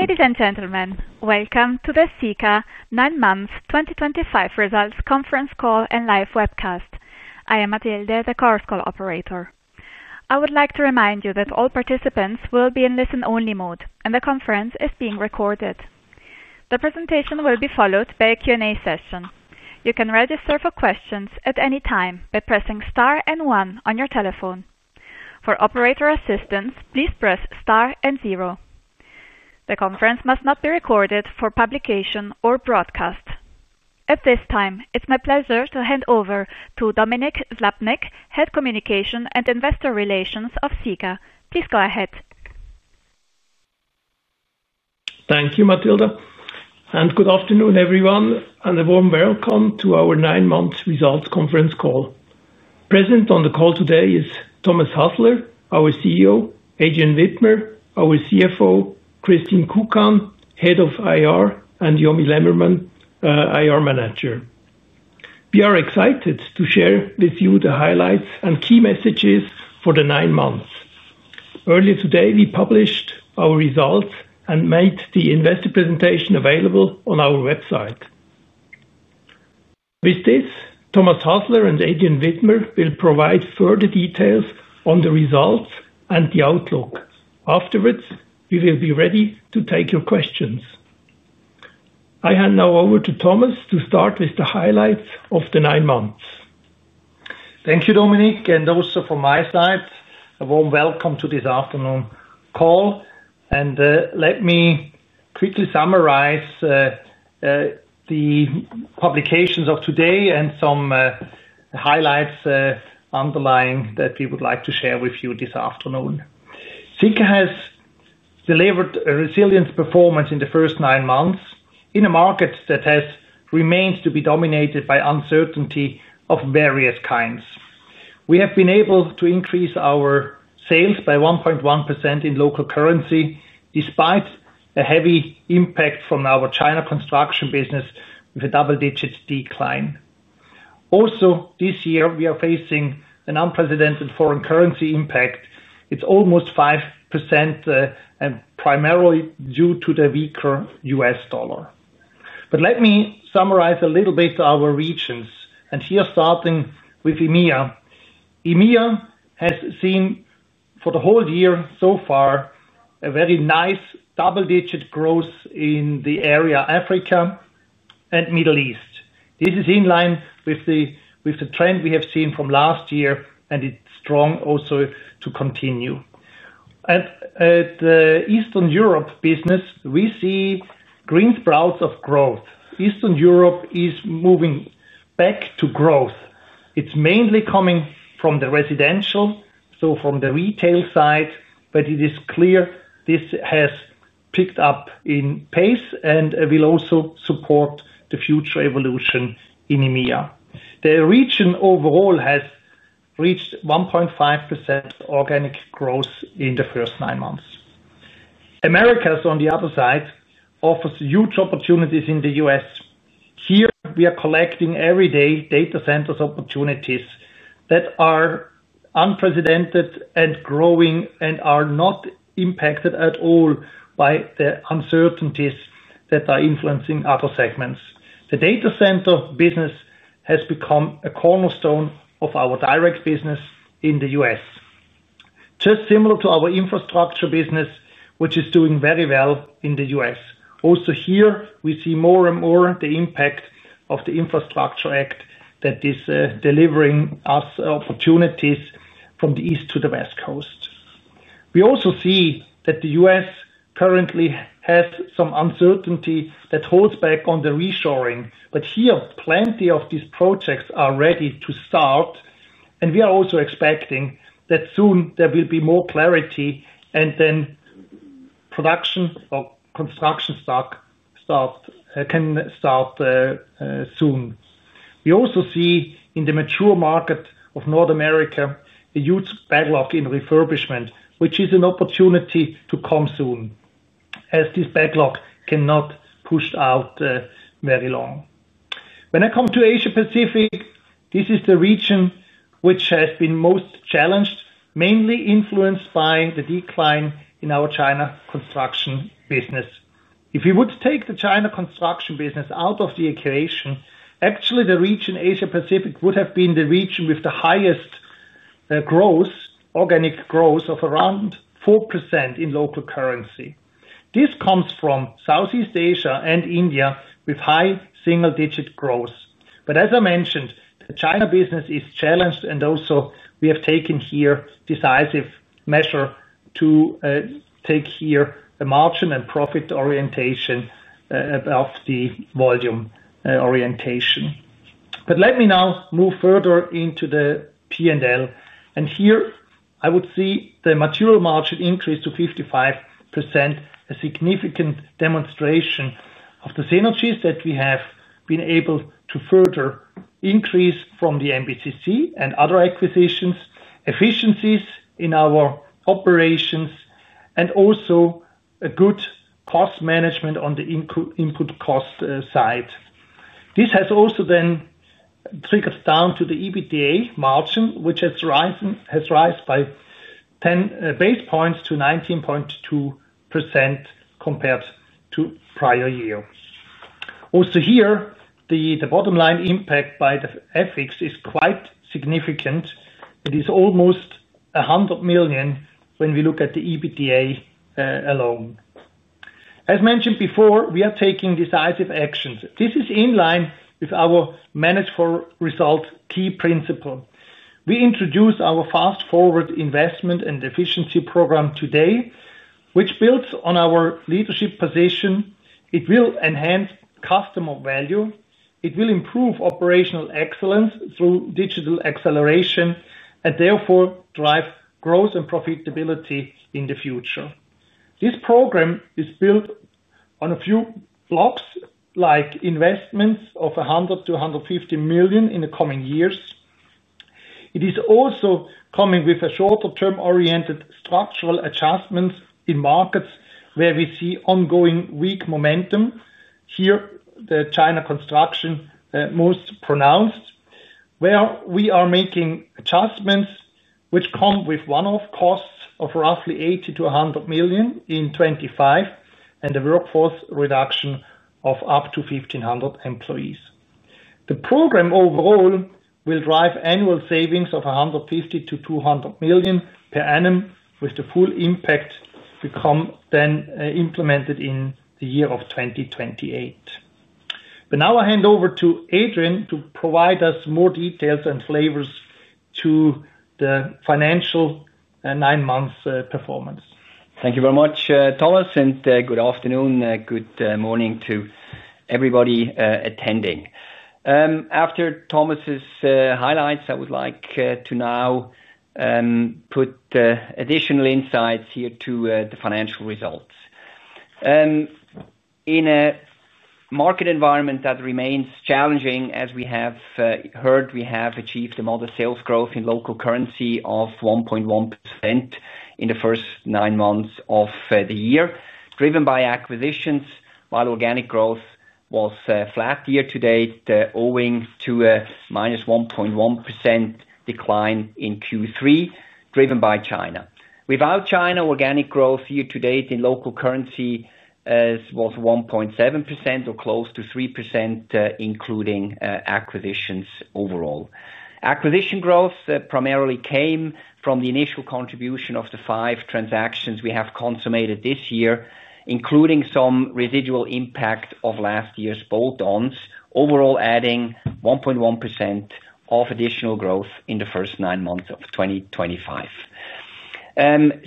Ladies and gentlemen, welcome to the Sika 9 Month 2025 results conference call and Live Webcast. I am Matilde, the call operator. I would like to remind you that all participants will be in listen-only mode, and the conference is being recorded. The presentation will be followed by a Q&A session. You can register for questions at any time by pressing star and one on your telephone. For operator assistance, please press star and zero. The conference must not be recorded for publication or broadcast. At this time, it's my pleasure to hand over to Dominik Slappnig, Head Communication and Investor Relations of Sika. Please go ahead. Thank you, Matilde, and good afternoon, everyone, and a warm welcome to our 9 Month results conference call. Present on the call today is Thomas Hasler, our CEO; Adrian Widmer, our CFO; Christine Kukan, Head of IR, and Jomi Lemmermann, IR Manager. We are excited to share with you the highlights and key messages for the 9 months. Earlier today, we published our results and made the investor presentation available on our website. With this, Thomas Hasler and Adrian Widmer will provide further details on the results and the outlook. Afterwards, we will be ready to take your questions. I hand now over to Thomas to start with the highlights of the 9 months. Thank you, Dominik, and also from my side, a warm welcome to this afternoon call. Let me quickly summarize the publications of today and some highlights underlying that we would like to share with you this afternoon. Sika has delivered a resilient performance in the first 9 months in a market that has remained to be dominated by uncertainty of various kinds. We have been able to increase our sales by 1.1% in local currency, despite a heavy impact from our China construction business with a double-digit decline. Also, this year, we are facing an unprecedented foreign currency impact. It's almost 5%, primarily due to the weaker U.S. dollar. Let me summarize a little bit our regions, and here starting with EMEA. EMEA has seen for the whole year so far a very nice double-digit growth in the area of Africa and the Middle East. This is in line with the trend we have seen from last year, and it's strong also to continue. The Eastern Europe business, we see green sprouts of growth. Eastern Europe is moving back to growth. It's mainly coming from the residential, so from the retail side, but it is clear this has picked up in pace and will also support the future evolution in EMEA. The region overall has reached 1.5% organic growth in the first 9 months. Americas, on the other side, offers huge opportunities in the U.S. Here, we are collecting every day data centers' opportunities that are unprecedented and growing and are not impacted at all by the uncertainties that are influencing other segments. The data center business has become a cornerstone of our direct business in the U.S., just similar to our infrastructure business, which is doing very well in the U.S. We see more and more the impact of the Infrastructure Act that is delivering us opportunities from the east to the west coast. We also see that the U.S. currently has some uncertainty that holds back on the reshoring, but here, plenty of these projects are ready to start, and we are also expecting that soon there will be more clarity and then production or construction starts soon. We also see in the mature market of North America a huge backlog in refurbishment, which is an opportunity to come soon, as this backlog cannot be pushed out very long. When I come to Asia Pacific, this is the region which has been most challenged, mainly influenced by the decline in our China construction business. If we would take the China construction business out of the equation, actually, the region Asia Pacific would have been the region with the highest organic growth of around 4% in local currency. This comes from Southeast Asia and India with high single-digit growth. As I mentioned, the China business is challenged, and also, we have taken here a decisive measure to take here a margin and profit orientation above the volume orientation. Let me now move further into the P&L, and here, I would see the material margin increase to 55%, a significant demonstration of the synergies that we have been able to further increase from the MBCC Group and other acquisitions, efficiencies in our operations, and also a good cost management on the input cost side. This has also then trickled down to the EBITDA margin, which has risen by 10 basis points to 19.2% compared to the prior year. Also, here, the bottom line impact by the FX is quite significant. It is almost $100 million when we look at the EBITDA alone. As mentioned before, we are taking decisive actions. This is in line with our manage for results key principle. We introduce our Fast Forward investment and efficiency program today, which builds on our leadership position. It will enhance customer value. It will improve operational excellence through digital acceleration and therefore, drive growth and profitability in the future. This program is built on a few blocks, like investments of 100 million- 150 million in the coming years. It is also coming with a shorter-term-oriented structural adjustments in markets where we see ongoing weak momentum. Here, the China construction is most pronounced, where we are making adjustments which come with one-off costs of roughly 80 million- 100 million in 2025 and a workforce reduction of up to 1,500 employees. The program overall will drive annual savings of 150 million- 200 million per annum, with the full impact to come then implemented in the year of 2028. Now I hand over to Adrian to provide us more details and flavors to the financial 9 months' performance. Thank you very much, Thomas, and good afternoon, good morning to everybody attending. After Thomas's highlights, I would like to now put additional insights here to the financial results. In a market environment that remains challenging, as we have heard, we have achieved a modest sales growth in local currency of 1.1% in the first 9 months of the year, driven by acquisitions, while organic growth was flat year to date, owing to a -1.1% decline in Q3, driven by China. Without China, organic growth year to date in local currency was 1.7% or close to 3%, including acquisitions overall. Acquisition growth primarily came from the initial contribution of the 5 transactions we have consummated this year, including some residual impact of last year's bolt-ons, overall adding 1.1% of additional growth in the first 9 months of 2025.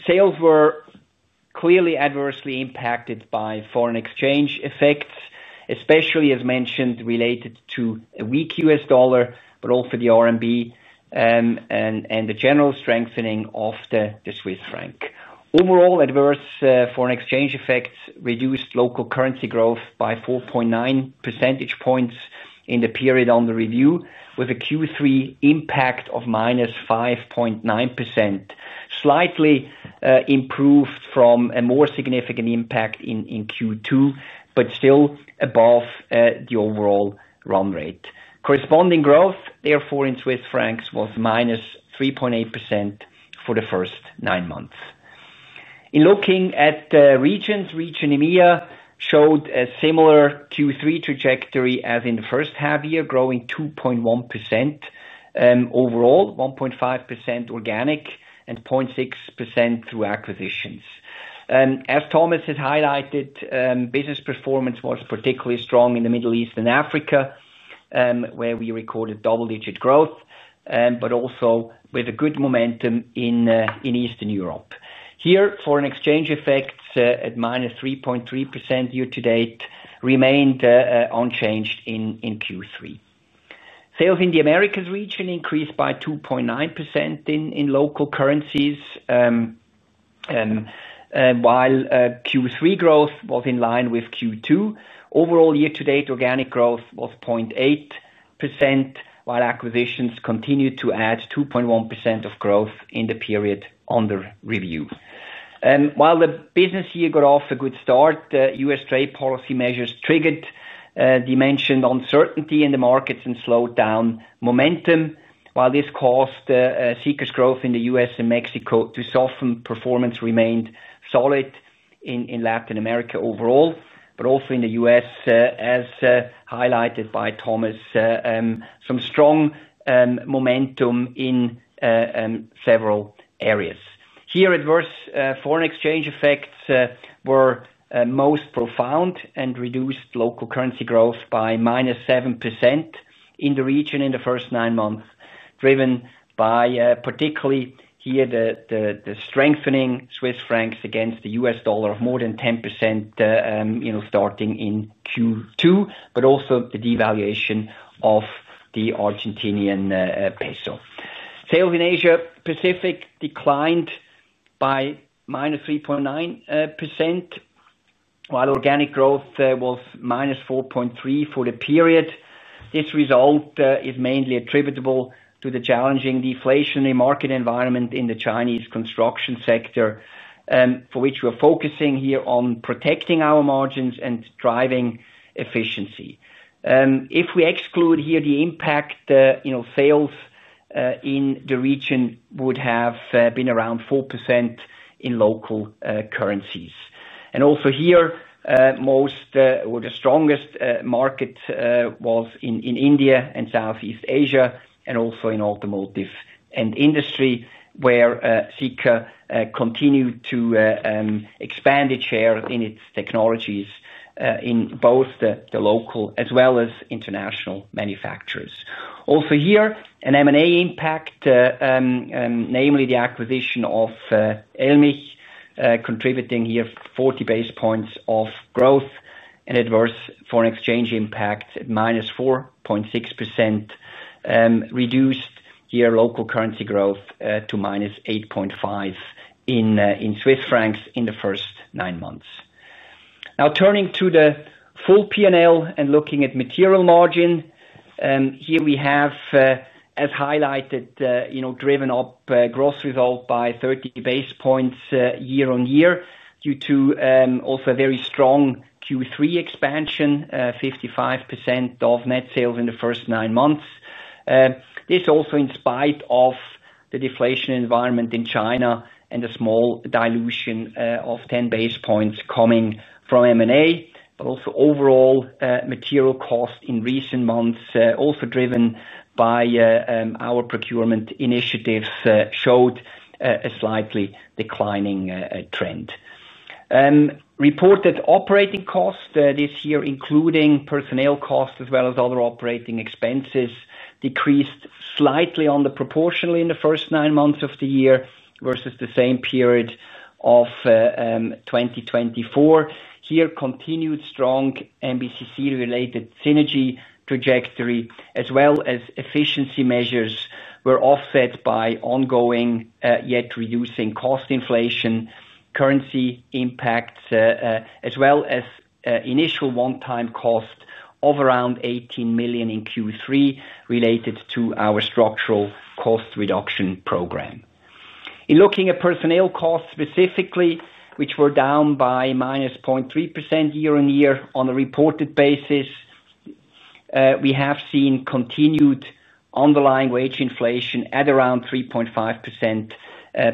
Sales were clearly adversely impacted by foreign exchange effects, especially, as mentioned, related to a weak U.S. dollar, but also the RMB and the general strengthening of the Swiss franc. Overall, adverse foreign exchange effects reduced local currency growth by 4.9% in the period under review, with a Q3 impact of -5.9%, slightly improved from a more significant impact in Q2, but still above the overall run rate. Corresponding growth, therefore, in Swiss francs was -3.8% for the first 9 months. In looking at the regions, region EMEA showed a similar Q3 trajectory as in the first half year, growing 2.1% overall, 1.5% organic, and 0.6% through acquisitions. As Thomas had highlighted, business performance was particularly strong in the Middle East and Africa, where we recorded double-digit growth, but also with a good momentum in Eastern Europe. Here, foreign exchange effects at -3.3% year to date remained unchanged in Q3. Sales in the Americas region increased by 2.9% in local currencies, while Q3 growth was in line with Q2. Overall, year to date, organic growth was 0.8%, while acquisitions continued to add 2.1% of growth in the period under review. While the business year got off a good start, U.S. trade policy measures triggered the mentioned uncertainty in the markets and slowed down momentum. While this caused Sika's growth in the U.S. and Mexico to soften, performance remained solid in Latin America overall, but also in the U.S., as highlighted by Thomas, some strong momentum in several areas. Here, adverse foreign exchange effects were most profound and reduced local currency growth by -7% in the region in the first 9 months, driven by particularly here the strengthening Swiss franc against the US dollar of more than 10% starting in Q2, but also the devaluation of the Argentinian peso. Sales in Asia Pacific declined by -3.9%, while organic growth was -4.3% for the period. This result is mainly attributable to the challenging deflationary market environment in the Chinese construction sector, for which we are focusing here on protecting our margins and driving efficiency. If we exclude here the impact, you know, sales in the region would have been around 4% in local currencies. Also here, the strongest market was in India and Southeast Asia, and also in automotive and industry, where Sika continued to expand its share in its technologies in both the local as well as international manufacturers. Also here, an M&A impact, namely the acquisition of Elmich, contributing here 40 basis points of growth and adverse foreign exchange impact at -4.6%, reduced here local currency growth to -8.5% in Swiss francs in the first 9 months. Now, turning to the full P&L and looking at material margin, here we have, as highlighted, driven up gross result by 30 basis points year on year due to also a very strong Q3 expansion, 55% of net sales in the first 9 months. This also in spite of the deflation environment in China and a small dilution of 10 basis points coming from M&A, but also overall material cost in recent months, also driven by our procurement initiatives, showed a slightly declining trend. Reported operating cost this year, including personnel cost as well as other operating expenses, decreased slightly under proportionally in the first 9 months of the year versus the same period of 2024. Here, continued strong MBCC Group-related synergy trajectory, as well as efficiency measures, were offset by ongoing yet reducing cost inflation, currency impacts, as well as initial one-time cost of around 18 million in Q3 related to our structural cost reduction program. In looking at personnel cost specifically, which were down by -0.3% year on year on a reported basis, we have seen continued underlying wage inflation at around 3.5%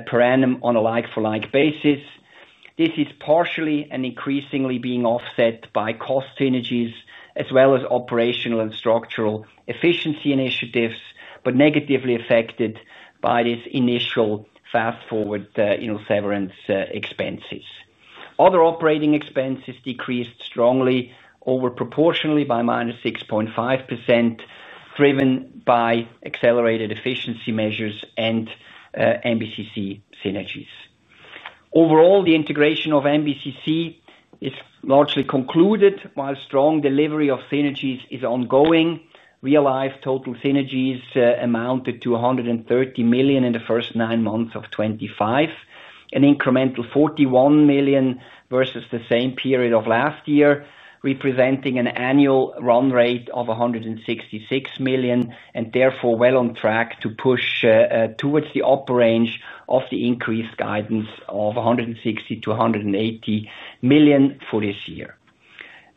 per annum on a like-for-like basis. This is partially and increasingly being offset by cost synergies as well as operational and structural efficiency initiatives, but negatively affected by this initial Fast Forward severance expenses. Other operating expenses decreased strongly over proportionally by -6.5%, driven by accelerated efficiency measures and MBCC synergies. Overall, the integration of MBCC is largely concluded, while strong delivery of synergies is ongoing. Real-life total synergies amounted to 130 million in the first 9 months of 2025, an incremental 41 million versus the same period of last year, representing an annual run rate of 166 million and therefore well on track to push towards the upper range of the increased guidance of 160 million- 180 million for this year.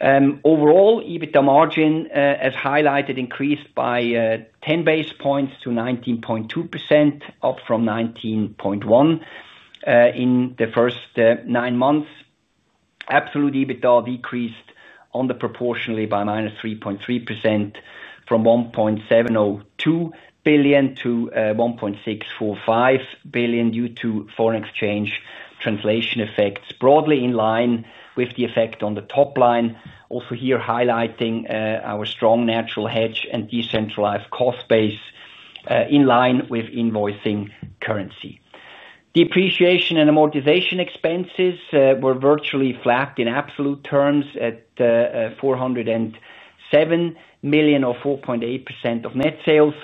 Overall, EBITDA margin, as highlighted, increased by 10 basis points to 19.2%, up from 19.1% in the first 9 months. Absolute EBITDA decreased under proportionally by -3.3% from 1.702 billion to 1.645 billion due to foreign exchange translation effects, broadly in line with the effect on the top line. Also here highlighting our strong natural hedge and decentralized cost base in line with invoicing currency. The depreciation and amortization expenses were virtually flat in absolute terms at 407 million or 4.8% of net sales,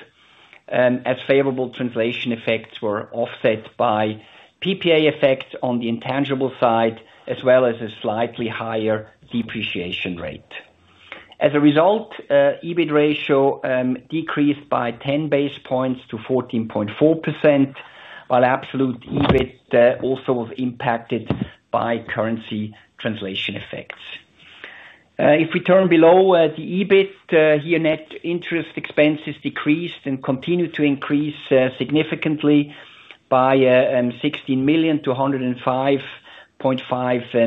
as favorable translation effects were offset by PPA effects on the intangible side, as well as a slightly higher depreciation rate. As a result, EBIT ratio decreased by 10 basis points to 14.4%, while absolute EBIT also was impacted by currency translation effects. If we turn below the EBIT, here net interest expenses decreased and continued to decrease significantly by 16 million to 105.5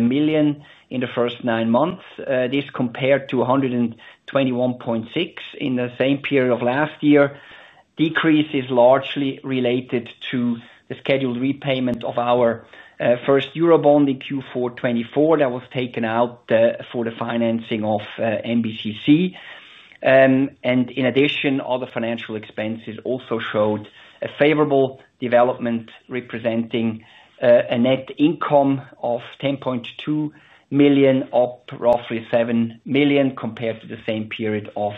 million in the first 9 months. This compared to 121.6 million in the same period of last year. Decrease is largely related to the scheduled repayment of our first Eurobond in Q4 2024 that was taken out for the financing of MBCC. In addition, other financial expenses also showed a favorable development, representing a net income of 10.2 million, up roughly 7 million compared to the same period of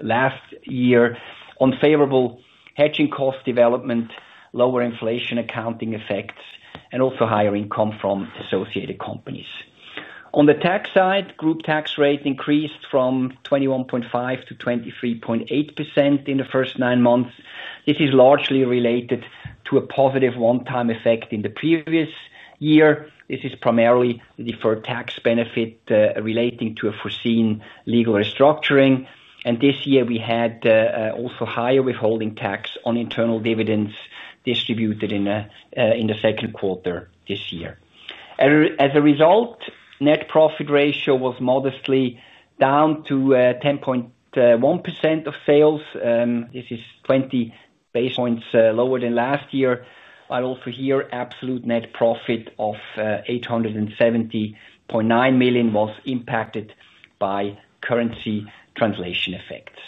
last year, on favorable hedging cost development, lower inflation accounting effects, and also higher income from associated companies. On the tax side, group tax rate increased from 21.5%-23.8% in the first 9 months. This is largely related to a positive one-time effect in the previous year. This is primarily the deferred tax benefit relating to a foreseen legal restructuring. This year, we had also higher withholding tax on internal dividends distributed in the second quarter this year. As a result, net profit ratio was modestly down to 10.1% of sales. This is 20 bps lower than last year, while also here absolute net profit of 870.9 million was impacted by currency translation effects.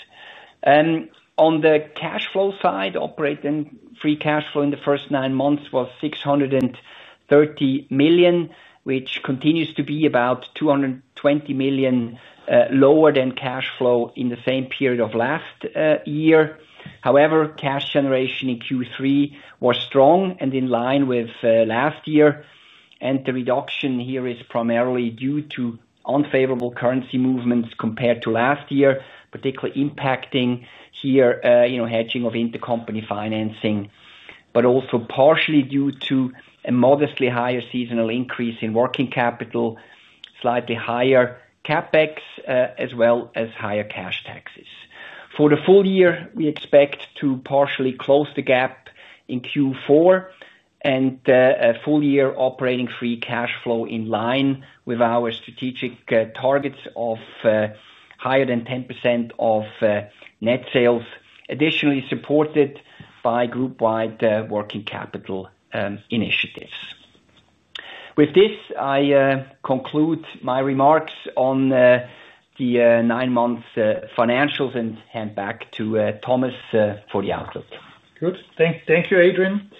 On the cash flow side, operating free cash flow in the first 9 months was 630 million, which continues to be about 220 million lower than cash flow in the same period of last year. However, cash generation in Q3 was strong and in line with last year, and the reduction here is primarily due to unfavorable currency movements compared to last year, particularly impacting here hedging of intercompany financing, but also partially due to a modestly higher seasonal increase in working capital, slightly higher CapEx, as well as higher cash taxes. For the full year, we expect to partially close the gap in Q4 and a full year operating free cash flow in line with our strategic targets of higher than 10% of net sales, additionally supported by group-wide working capital initiatives. With this, I conclude my remarks on the 9 months' financials and hand back to Thomas for the outlook. Good. Thank you, Adrian.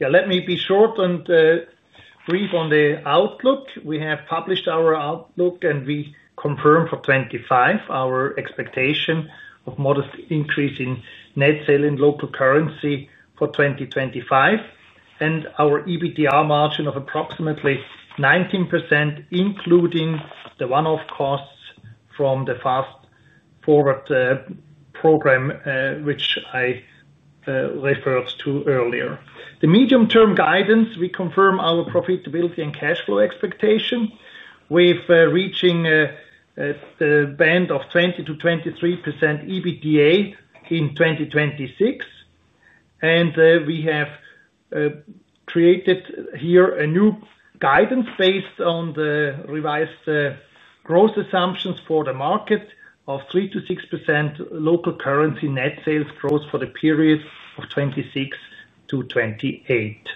Let me be short and brief on the outlook. We have published our outlook, and we confirm for 2025 our expectation of modest increase in net sales in local currency for 2025 and our EBITDA margin of approximately 19%, including the one-off costs from the Fast Forward program, which I referred to earlier. The medium-term guidance, we confirm our profitability and cash flow expectation with reaching the band of 20%-23% EBITDA in 2026. We have created here a new guidance based on the revised growth assumptions for the market of 3%-6% local currency net sales growth for the period of 2026 to 2028.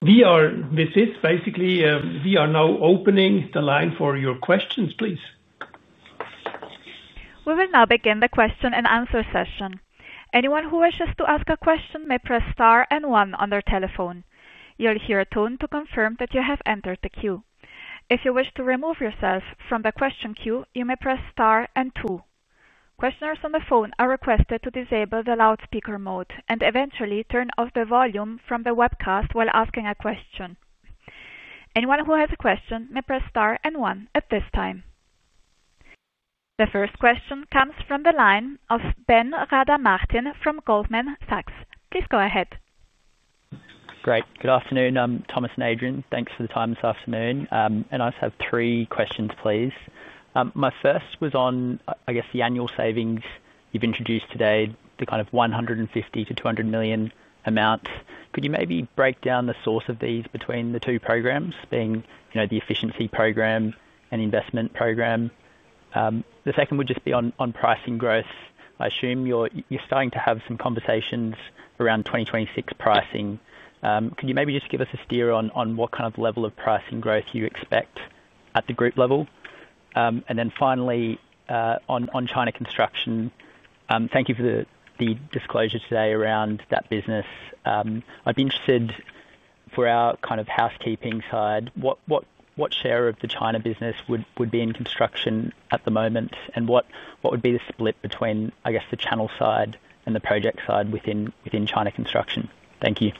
With this, basically, we are now opening the line for your questions, please. We will now begin the question-and-answer session. Anyone who wishes to ask a question may press star and one on their telephone. You'll hear a tone to confirm that you have entered the queue. If you wish to remove yourself from the question queue, you may press star and two. Questioners on the phone are requested to disable the loudspeaker mode and eventually turn off the volume from the webcast while asking a question. Anyone who has a question may press star and one at this time. The first question comes from the line of Ben Rada Martin from Goldman Sachs. Please go ahead. Great. Good afternoon, Thomas and Adrian. Thanks for the time this afternoon. I just have three questions, please. My first was on, I guess, the annual savings you've introduced today, the 150 million-200 million amounts. Could you maybe break down the source of these between the two programs being, you know, the efficiency program and investment program? The second would just be on pricing growth. I assume you're starting to have some conversations around 2026 pricing. Could you maybe just give us a steer on what kind of level of pricing growth you expect at the group level? Finally, on China construction, thank you for the disclosure today around that business. I'd be interested for our kind of housekeeping side. What share of the China business would be in construction at the moment, and what would be the split between, I guess, the channel side and the project side within China construction? Thank you.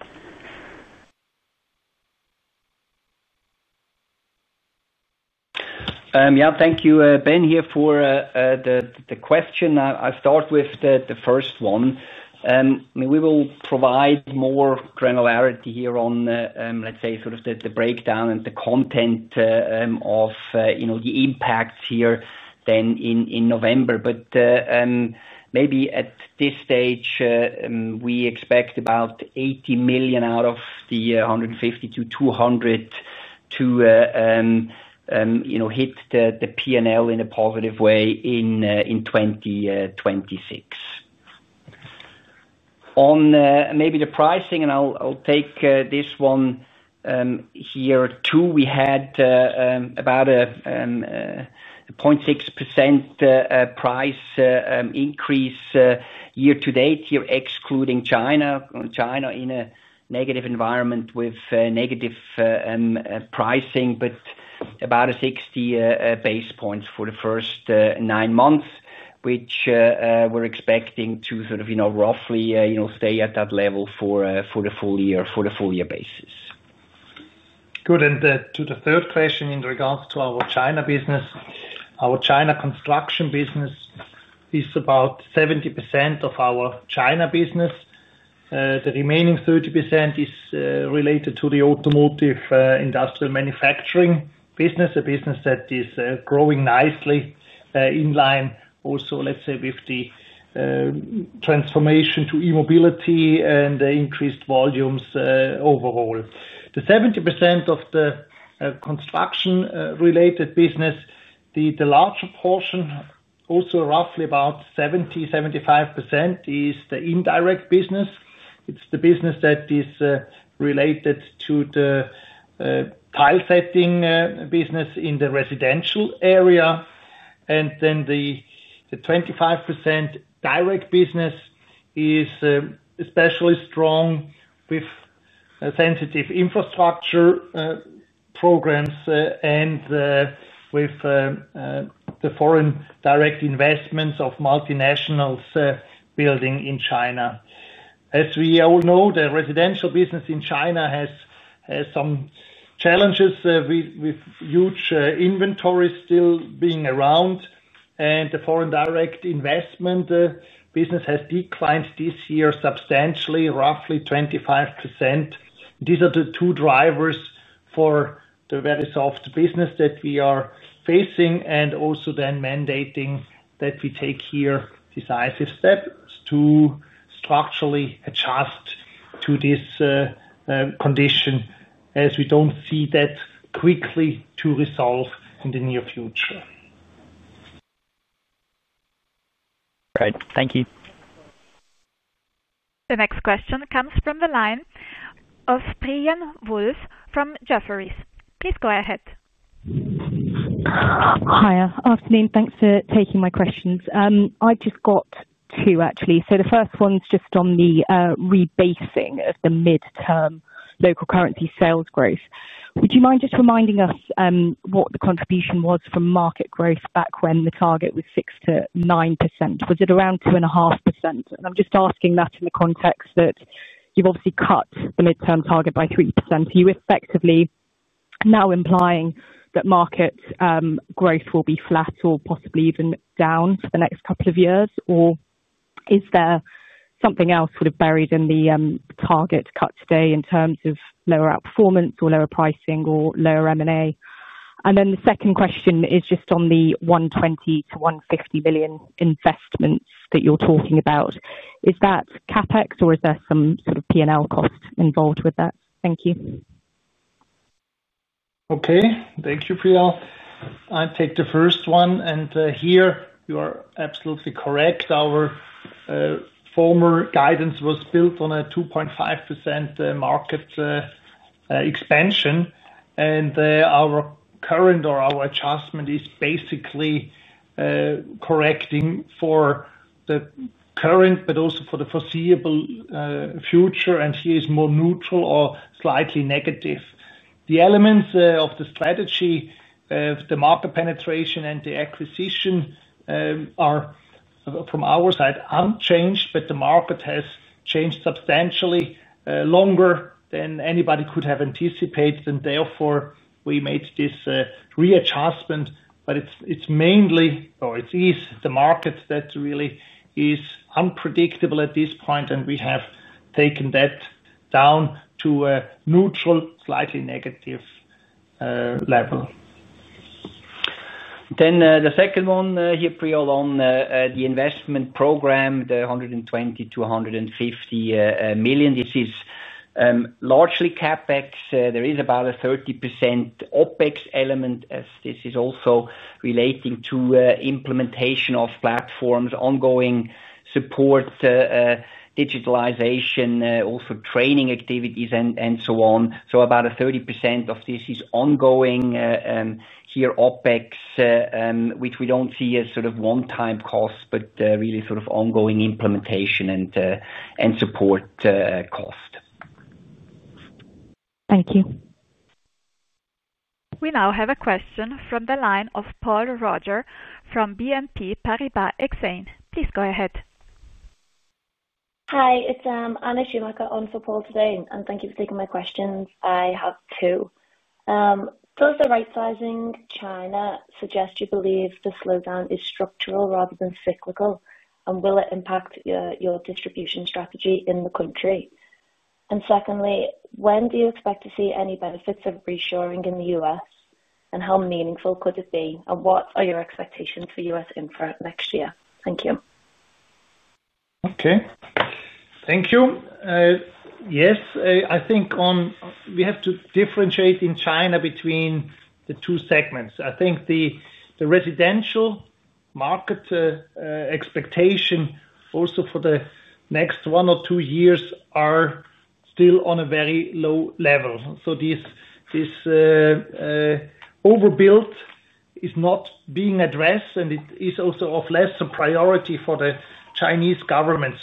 Yeah, thank you, Ben, for the question. I'll start with the first one. We will provide more granularity here on, let's say, the breakdown and the content of the impact here than in November. At this stage, we expect about 80 million out of the 150 million-200 million to hit the P&L in a positive way in 2026. On the pricing, I'll take this one here too. We had about a 0.6% price increase year to date, excluding China, with China in a negative environment with negative pricing, but about 60 basis points for the first 9 months, which we're expecting to roughly stay at that level for the full year basis. Good. To the third question in regards to our China business, our China construction business is about 70% of our China business. The remaining 30% is related to the automotive industrial manufacturing business, a business that is growing nicely in line, also, let's say, with the transformation to e-mobility and the increased volumes overall. The 70% of the construction-related business, the larger portion, also roughly about 70%-75%, is the indirect business. It is the business that is related to the tile setting business in the residential area. The 25% direct business is especially strong with sensitive infrastructure programs and with the foreign direct investments of multinationals building in China. As we all know, the residential business in China has some challenges with huge inventories still being around, and the foreign direct investment business has declined this year substantially, roughly 25%. These are the two drivers for the very soft business that we are facing and also then mandating that we take here decisive steps to structurally adjust to this condition, as we don't see that quickly to resolve in the near future. Great. Thank you. The next question comes from the line of PriyaL Woolf from Jefferies. Please go ahead. Hi. Afternoon. Thanks for taking my questions. I just got two, actually. The first one's just on the rebasing of the midterm local currency sales growth. Would you mind just reminding us what the contribution was from market growth back when the target was 6%-9%? Was it around 2.5%? I'm just asking that in the context that you've obviously cut the midterm target by 3%. You're effectively now implying that market growth will be flat or possibly even down for the next couple of years, or is there something else sort of buried in the target cut today in terms of lower outperformance or lower pricing or lower M&A? The second question is just on the 120 million to 150 million investments that you're talking about. Is that CapEx, or is there some sort of P&L cost involved with that? Thank you. Okay. Thank you, Priyal. I take the first one. Here, you are absolutely correct. Our former guidance was built on a 2.5% market expansion. Our current or our adjustment is basically correcting for the current but also for the foreseeable future, and here is more neutral or slightly negative. The elements of the strategy, the market penetration and the acquisition are, from our side, unchanged, but the market has changed substantially longer than anybody could have anticipated. Therefore, we made this readjustment, but it's mainly or it is the market that really is unpredictable at this point, and we have taken that down to a neutral, slightly negative level. On the investment program, the 120 million to 150 million is largely CapEx. There is about a 30% OpEx element, as this is also relating to implementation of platforms, ongoing support, digitalization, training activities, and so on. About 30% of this is ongoing OpEx, which we don't see as a one-time cost but really as ongoing implementation and support cost. Thank you. We now have a question from the line of Paul Roger from BNP Paribas. Please go ahead. Hi. It's Anna Schumacher on for Paul today, and thank you for taking my questions. I have two. Does the right-sizing China suggest you believe the slowdown is structural rather than cyclical, and will it impact your distribution strategy in the country? Secondly, when do you expect to see any benefits of reshoring in the U.S., and how meaningful could it be, and what are your expectations for U.S. infra next year? Thank you. Okay. Thank you. Yes, I think we have to differentiate in China between the two segments. I think the residential market expectation also for the next one or two years are still on a very low level. This overbuild is not being addressed, and it is also of lesser priority for the Chinese government.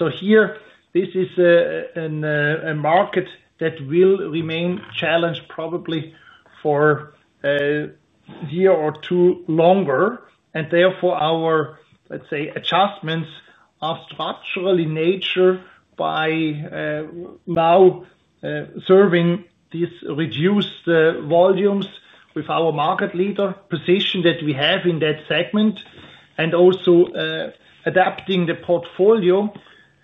This is a market that will remain challenged probably for a year or two longer. Therefore, our, let's say, adjustments are structural in nature by now serving these reduced volumes with our market leader position that we have in that segment and also adapting the portfolio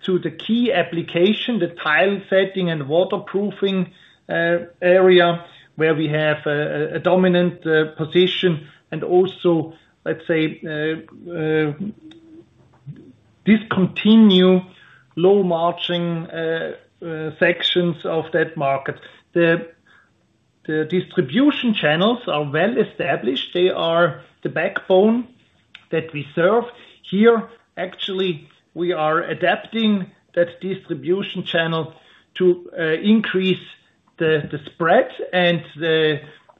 to the key application, the tile setting and waterproofing area where we have a dominant position and also, let's say, discontinue low-margin sections of that market. The distribution channels are well established. They are the backbone that we serve. Here, actually, we are adapting that distribution channel to increase the spread and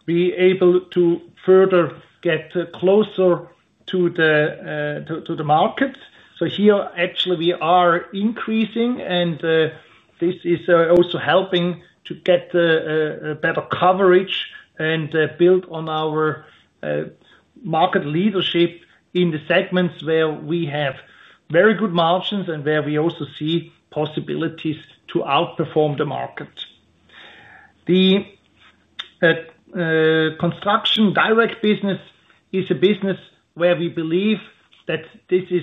be able to further get closer to the markets. Here, actually, we are increasing, and this is also helping to get better coverage and build on our market leadership in the segments where we have very good margins and where we also see possibilities to outperform the market. The construction direct business is a business where we believe that this is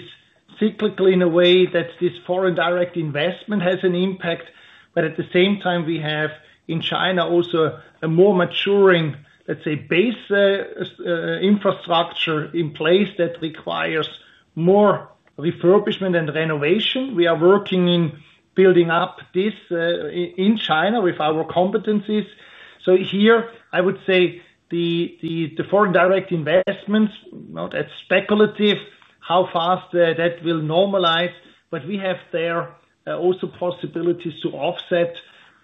cyclical in a way that this foreign direct investment has an impact. At the same time, we have in China also a more maturing, let's say, base infrastructure in place that requires more refurbishment and renovation. We are working in building up this in China with our competencies. Here, I would say the foreign direct investments, not as speculative how fast that will normalize, but we have there also possibilities to offset.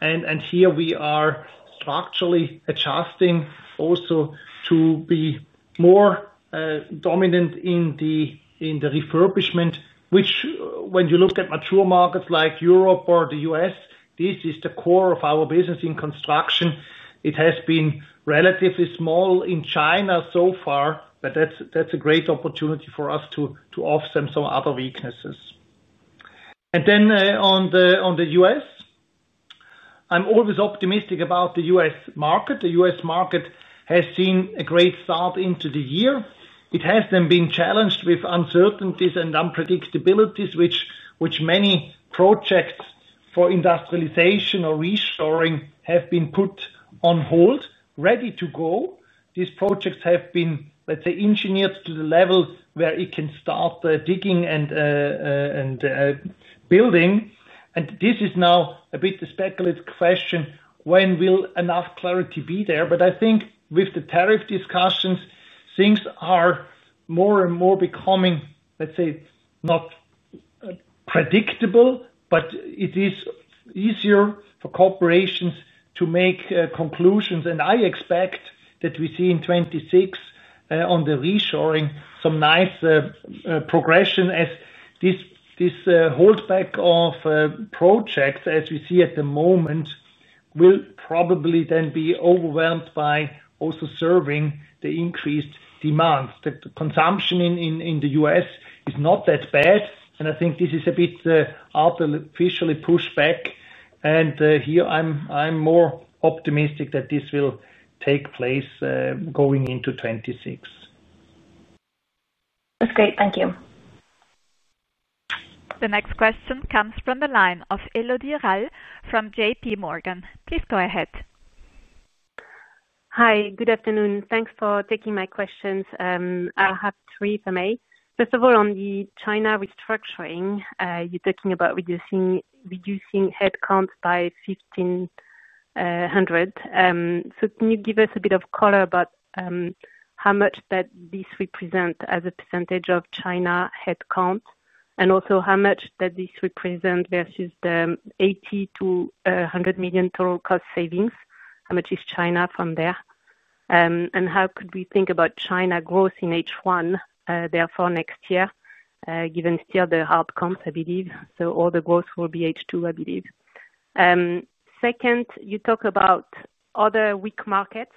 Here, we are structurally adjusting also to be more dominant in the refurbishment, which when you look at mature markets like Europe or the U.S., this is the core of our business in construction. It has been relatively small in China so far, but that's a great opportunity for us to offset some other weaknesses. On the U.S., I'm always optimistic about the U.S. market. The U.S. market has seen a great start into the year. It has then been challenged with uncertainties and unpredictabilities, which many projects for industrialization or reshoring have been put on hold, ready to go. These projects have been, let's say, engineered to the level where it can start digging and building. This is now a bit the speculative question, when will enough clarity be there? I think with the tariff discussions, things are more and more becoming, let's say, not predictable, but it is easier for corporations to make conclusions. I expect that we see in 2026 on the reshoring some nice progression, as this holdback of projects, as we see at the moment, will probably then be overwhelmed by also serving the increased demands. The consumption in the U.S. is not that bad, and I think this is a bit artificially pushed back. I am more optimistic that this will take place going into 2026. That's great. Thank you. The next question comes from the line of Elodie Rall from JPMorgan. Please go ahead. Hi. Good afternoon. Thanks for taking my questions. I'll have three, if I may. First of all, on the China restructuring, you're talking about reducing headcount by 1,500. Can you give us a bit of color about how much this represents as a percentage of China headcount and also how much this represents versus the 80 million to 100 million total cost savings? How much is China from there? How could we think about China growth in H1 next year, given still the hard comps, I believe? All the growth will be H2, I believe. You talk about other weak markets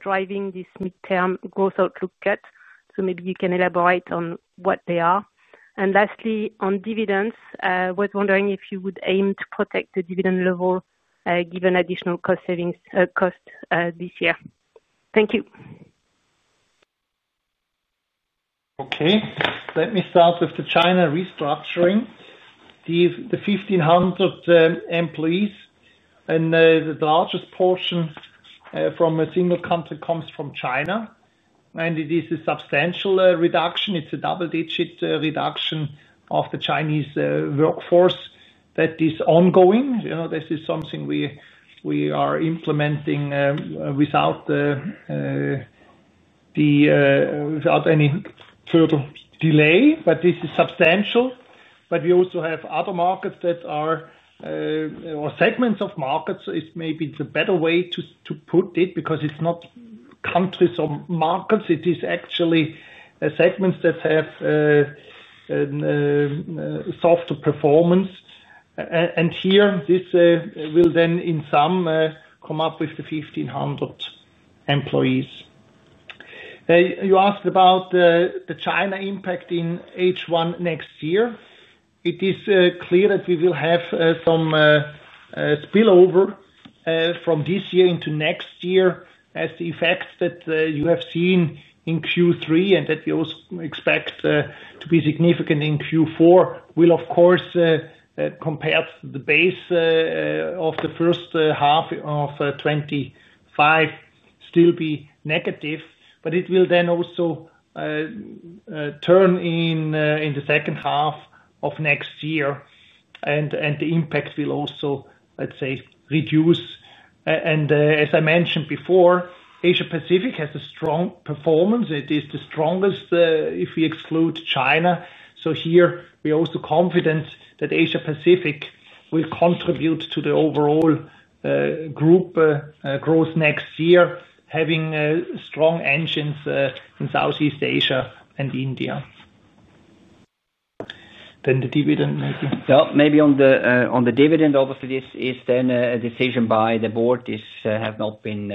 driving this midterm growth outlook gut. Maybe you can elaborate on what they are. Lastly, on dividends, I was wondering if you would aim to protect the dividend level given additional cost savings this year. Thank you. Okay. Let me start with the China restructuring. The 1,500 employees and the largest portion from a single country comes from China. It is a substantial reduction. It's a double-digit reduction of the Chinese workforce that is ongoing. This is something we are implementing without any further delay, but this is substantial. We also have other markets that are or segments of markets. Maybe it's a better way to put it because it's not countries or markets. It is actually segments that have softer performance. Here, this will then, in sum, come up with the 1,500 employees. You asked about the China impact in H1 next year. It is clear that we will have some spillover from this year into next year, as the effects that you have seen in Q3 and that you also expect to be significant in Q4 will, of course, compared to the base of the first half of 2025, still be negative. It will then also turn in the second half of next year, and the impact will also, let's say, reduce. As I mentioned before, Asia Pacific has a strong performance. It is the strongest if we exclude China. Here, we're also confident that Asia Pacific will contribute to the overall group growth next year, having strong engines in Southeast Asia and India. Then the dividend, maybe. Yeah. Maybe on the dividend, obviously, this is then a decision by the Board. This has not been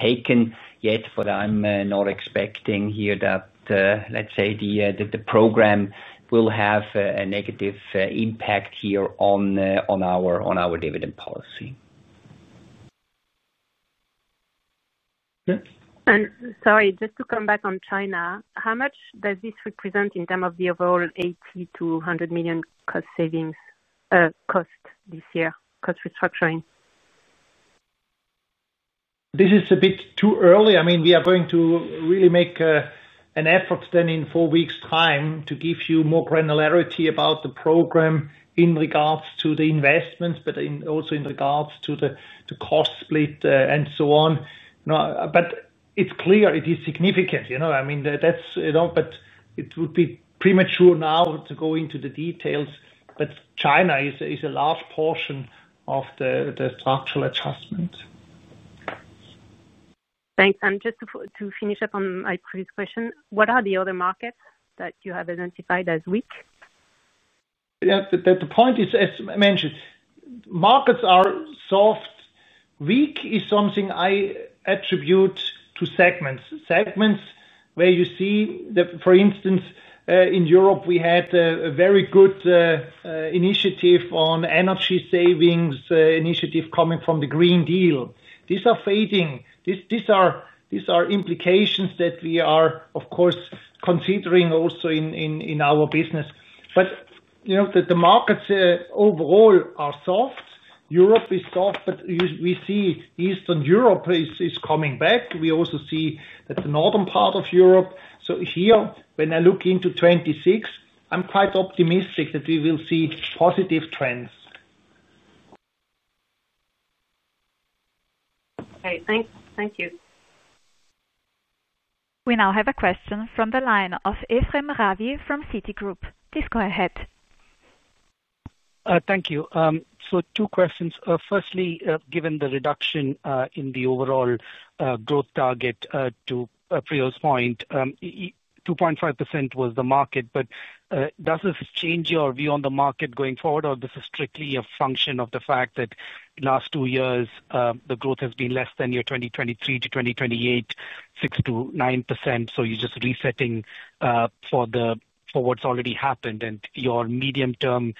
taken yet, but I'm not expecting here that, let's say, the program will have a negative impact here on our dividend policy. Okay. Sorry, just to come back on China, how much does this represent in terms of the overall 80 million to 100 million cost savings cost this year, cost restructuring? This is a bit too early. I mean, we are going to really make an effort in four weeks' time to give you more granularity about the program in regards to the investments, but also in regards to the cost split and so on. It is clear it is significant. I mean, that's it all, but it would be premature now to go into the details. China is a large portion of the structural adjustment.j Thanks. Just to finish up on my previous question, what are the other markets that you have identified as weak? Yeah. The point is, as I mentioned, markets are soft. Weak is something I attribute to segments, segments where you see that, for instance, in Europe, we had a very good initiative on energy savings initiative coming from the Green Deal. These are fading. These are implications that we are, of course, considering also in our business. You know the markets overall are soft. Europe is soft, but we see Eastern Europe is coming back. We also see that the northern part of Europe. Here, when I look into 2026, I'm quite optimistic that we will see positive trends. Great. Thank you. We now have a question from the line of Ephrem Ravi from Citigroup. Please go ahead. Thank you. Two questions. Firstly, given the reduction in the overall growth target to Priyal's point, 2.5% was the market, but does this change your view on the market going forward, or is this strictly a function of the fact that the last two years, the growth has been less than year 2023 to 2028, 6%-9%? You're just resetting for what's already happened, and your medium-term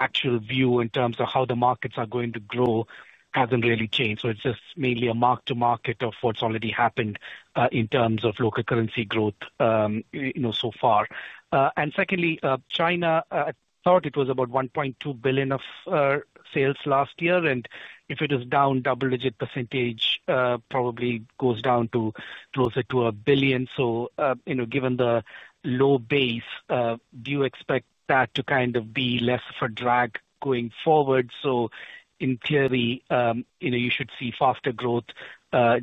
actual view in terms of how the markets are going to grow hasn't really changed. It's just mainly a mark-to-market of what's already happened in terms of local currency growth so far. Secondly, China, I thought it was about 1.2 billion of sales last year. If it is down double-digit percentage, it probably goes down to closer to 1 billion. Given the low base, do you expect that to be less of a drag going forward? In theory, you should see faster growth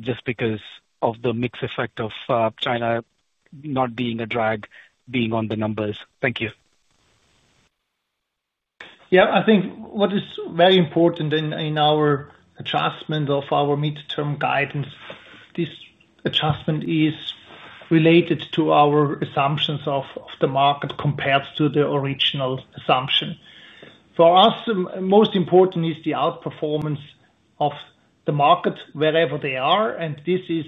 just because of the mix effect of China not being a drag on the numbers. Thank you. Yeah. I think what is very important in our adjustment of our midterm guidance, this adjustment is related to our assumptions of the market compared to the original assumption. For us, the most important is the outperformance of the market wherever they are. This is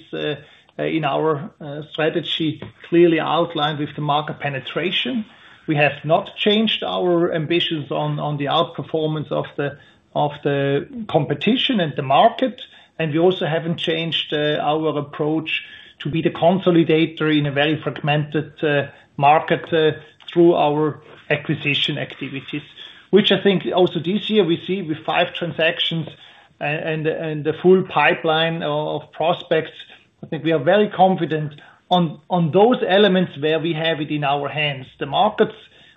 in our strategy clearly outlined with the market penetration. We have not changed our ambitions on the outperformance of the competition and the market. We also haven't changed our approach to be the consolidator in a very fragmented market through our acquisition activities, which I think also this year we see with five transactions and the full pipeline of prospects. I think we are very confident on those elements where we have it in our hands. The markets,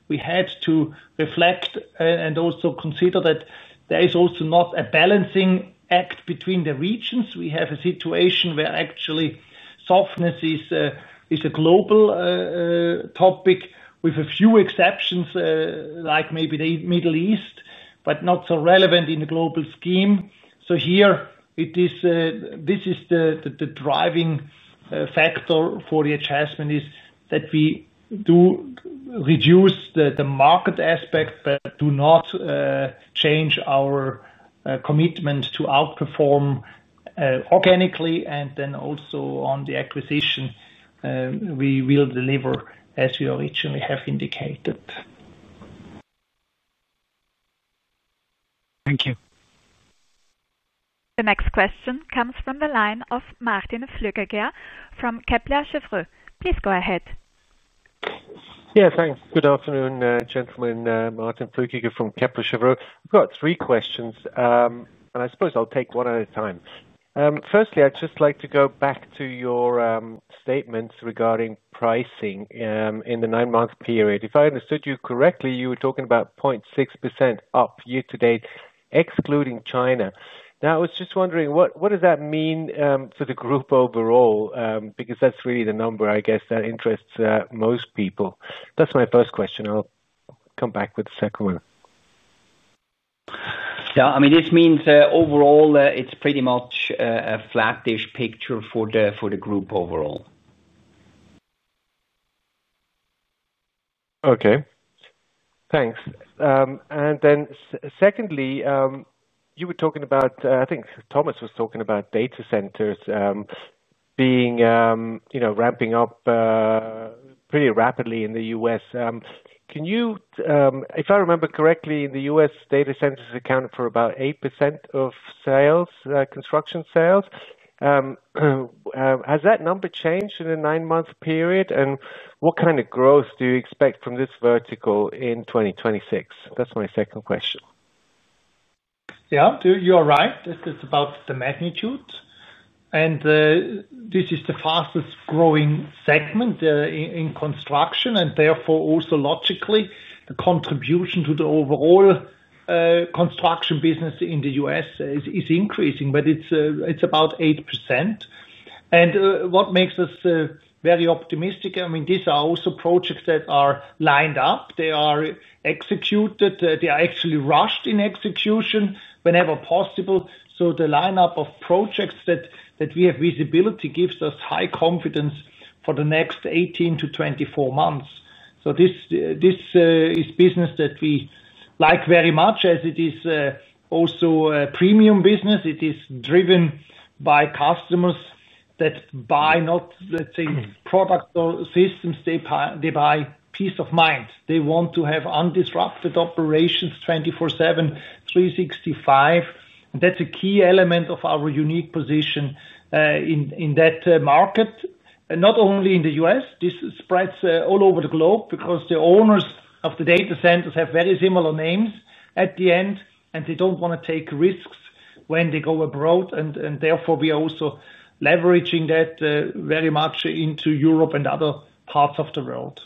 we had to reflect and also consider that there is also not a balancing act between the regions. We have a situation where actually softness is a global topic with a few exceptions, like maybe the Middle East, but not so relevant in the global scheme. Here, this is the driving factor for the adjustment is that we do reduce the market aspect but do not change our commitment to outperform organically. Also on the acquisition, we will deliver as we originally have indicated. Thank you. The next question comes from the line of Martin Flückiger from Kepler Cheuvreux. Please go ahead. Yeah, thanks. Good afternoon, gentlemen. Martin Flückiger from Kepler Cheuvreux. I've got three questions, and I suppose I'll take one at a time. Firstly, I'd just like to go back to your statements regarding pricing in the nine-month period. If I understood you correctly, you were talking about 0.6% up year to date, excluding China. Now, I was just wondering, what does that mean for the group overall? Because that's really the number, I guess, that interests most people. That's my first question. I'll come back with the second one. Yeah, I mean, this means overall it's pretty much a flat-ish picture for the group overall. Okay. Thanks. Secondly, you were talking about, I think Thomas was talking about data centers ramping up pretty rapidly in the U.S. If I remember correctly, in the U.S., data centers account for about 8% of construction sales. Has that number changed in the nine-month period? What kind of growth do you expect from this vertical in 2026? That's my second question. Yeah. You are right. This is about the magnitude. This is the fastest growing segment in construction. Therefore, also logically, the contribution to the overall construction business in the U.S. is increasing, but it's about 8%. What makes us very optimistic, I mean, these are also projects that are lined up. They are executed. They are actually rushed in execution whenever possible. The lineup of projects that we have visibility gives us high confidence for the next 18 to 24 months. This is business that we like very much, as it is also a premium business. It is driven by customers that buy not, let's say, products or systems. They buy peace of mind. They want to have undisrupted operations 24/7, 365. That's a key element of our unique position in that market, not only in the U.S. This spreads all over the globe because the owners of the data centers have very similar names at the end, and they don't want to take risks when they go abroad. Therefore, we are also leveraging that very much into Europe and other parts of the world.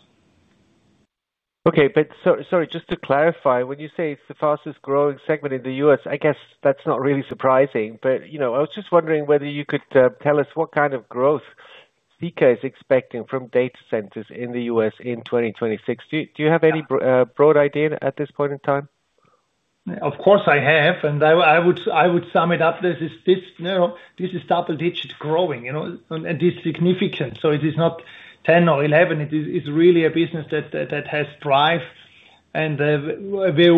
Okay. Sorry, just to clarify, when you say it's the fastest growing segment in the U.S., I guess that's not really surprising. I was just wondering whether you could tell us what kind of growth Sika is expecting from data centers in the U.S. in 2026. Do you have any broad idea at this point in time? Of course, I have. I would sum it up. This is double-digit growing, and this is significant. It is not 10% or 11%. It is really a business that has drive, and where we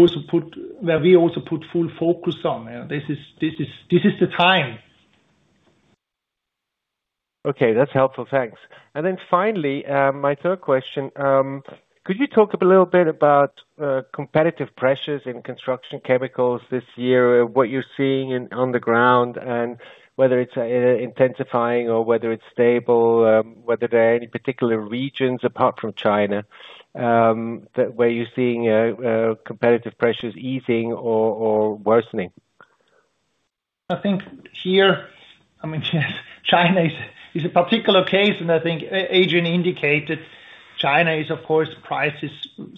also put full focus on. This is the time. Okay. That's helpful. Thanks. Finally, my third question, could you talk a little bit about competitive pressures in construction chemicals this year, what you're seeing on the ground, and whether it's intensifying or whether it's stable, whether there are any particular regions apart from China where you're seeing competitive pressures easing or worsening? I think here, I mean, China is a particular case. I think Adrian indicated China is, of course, price is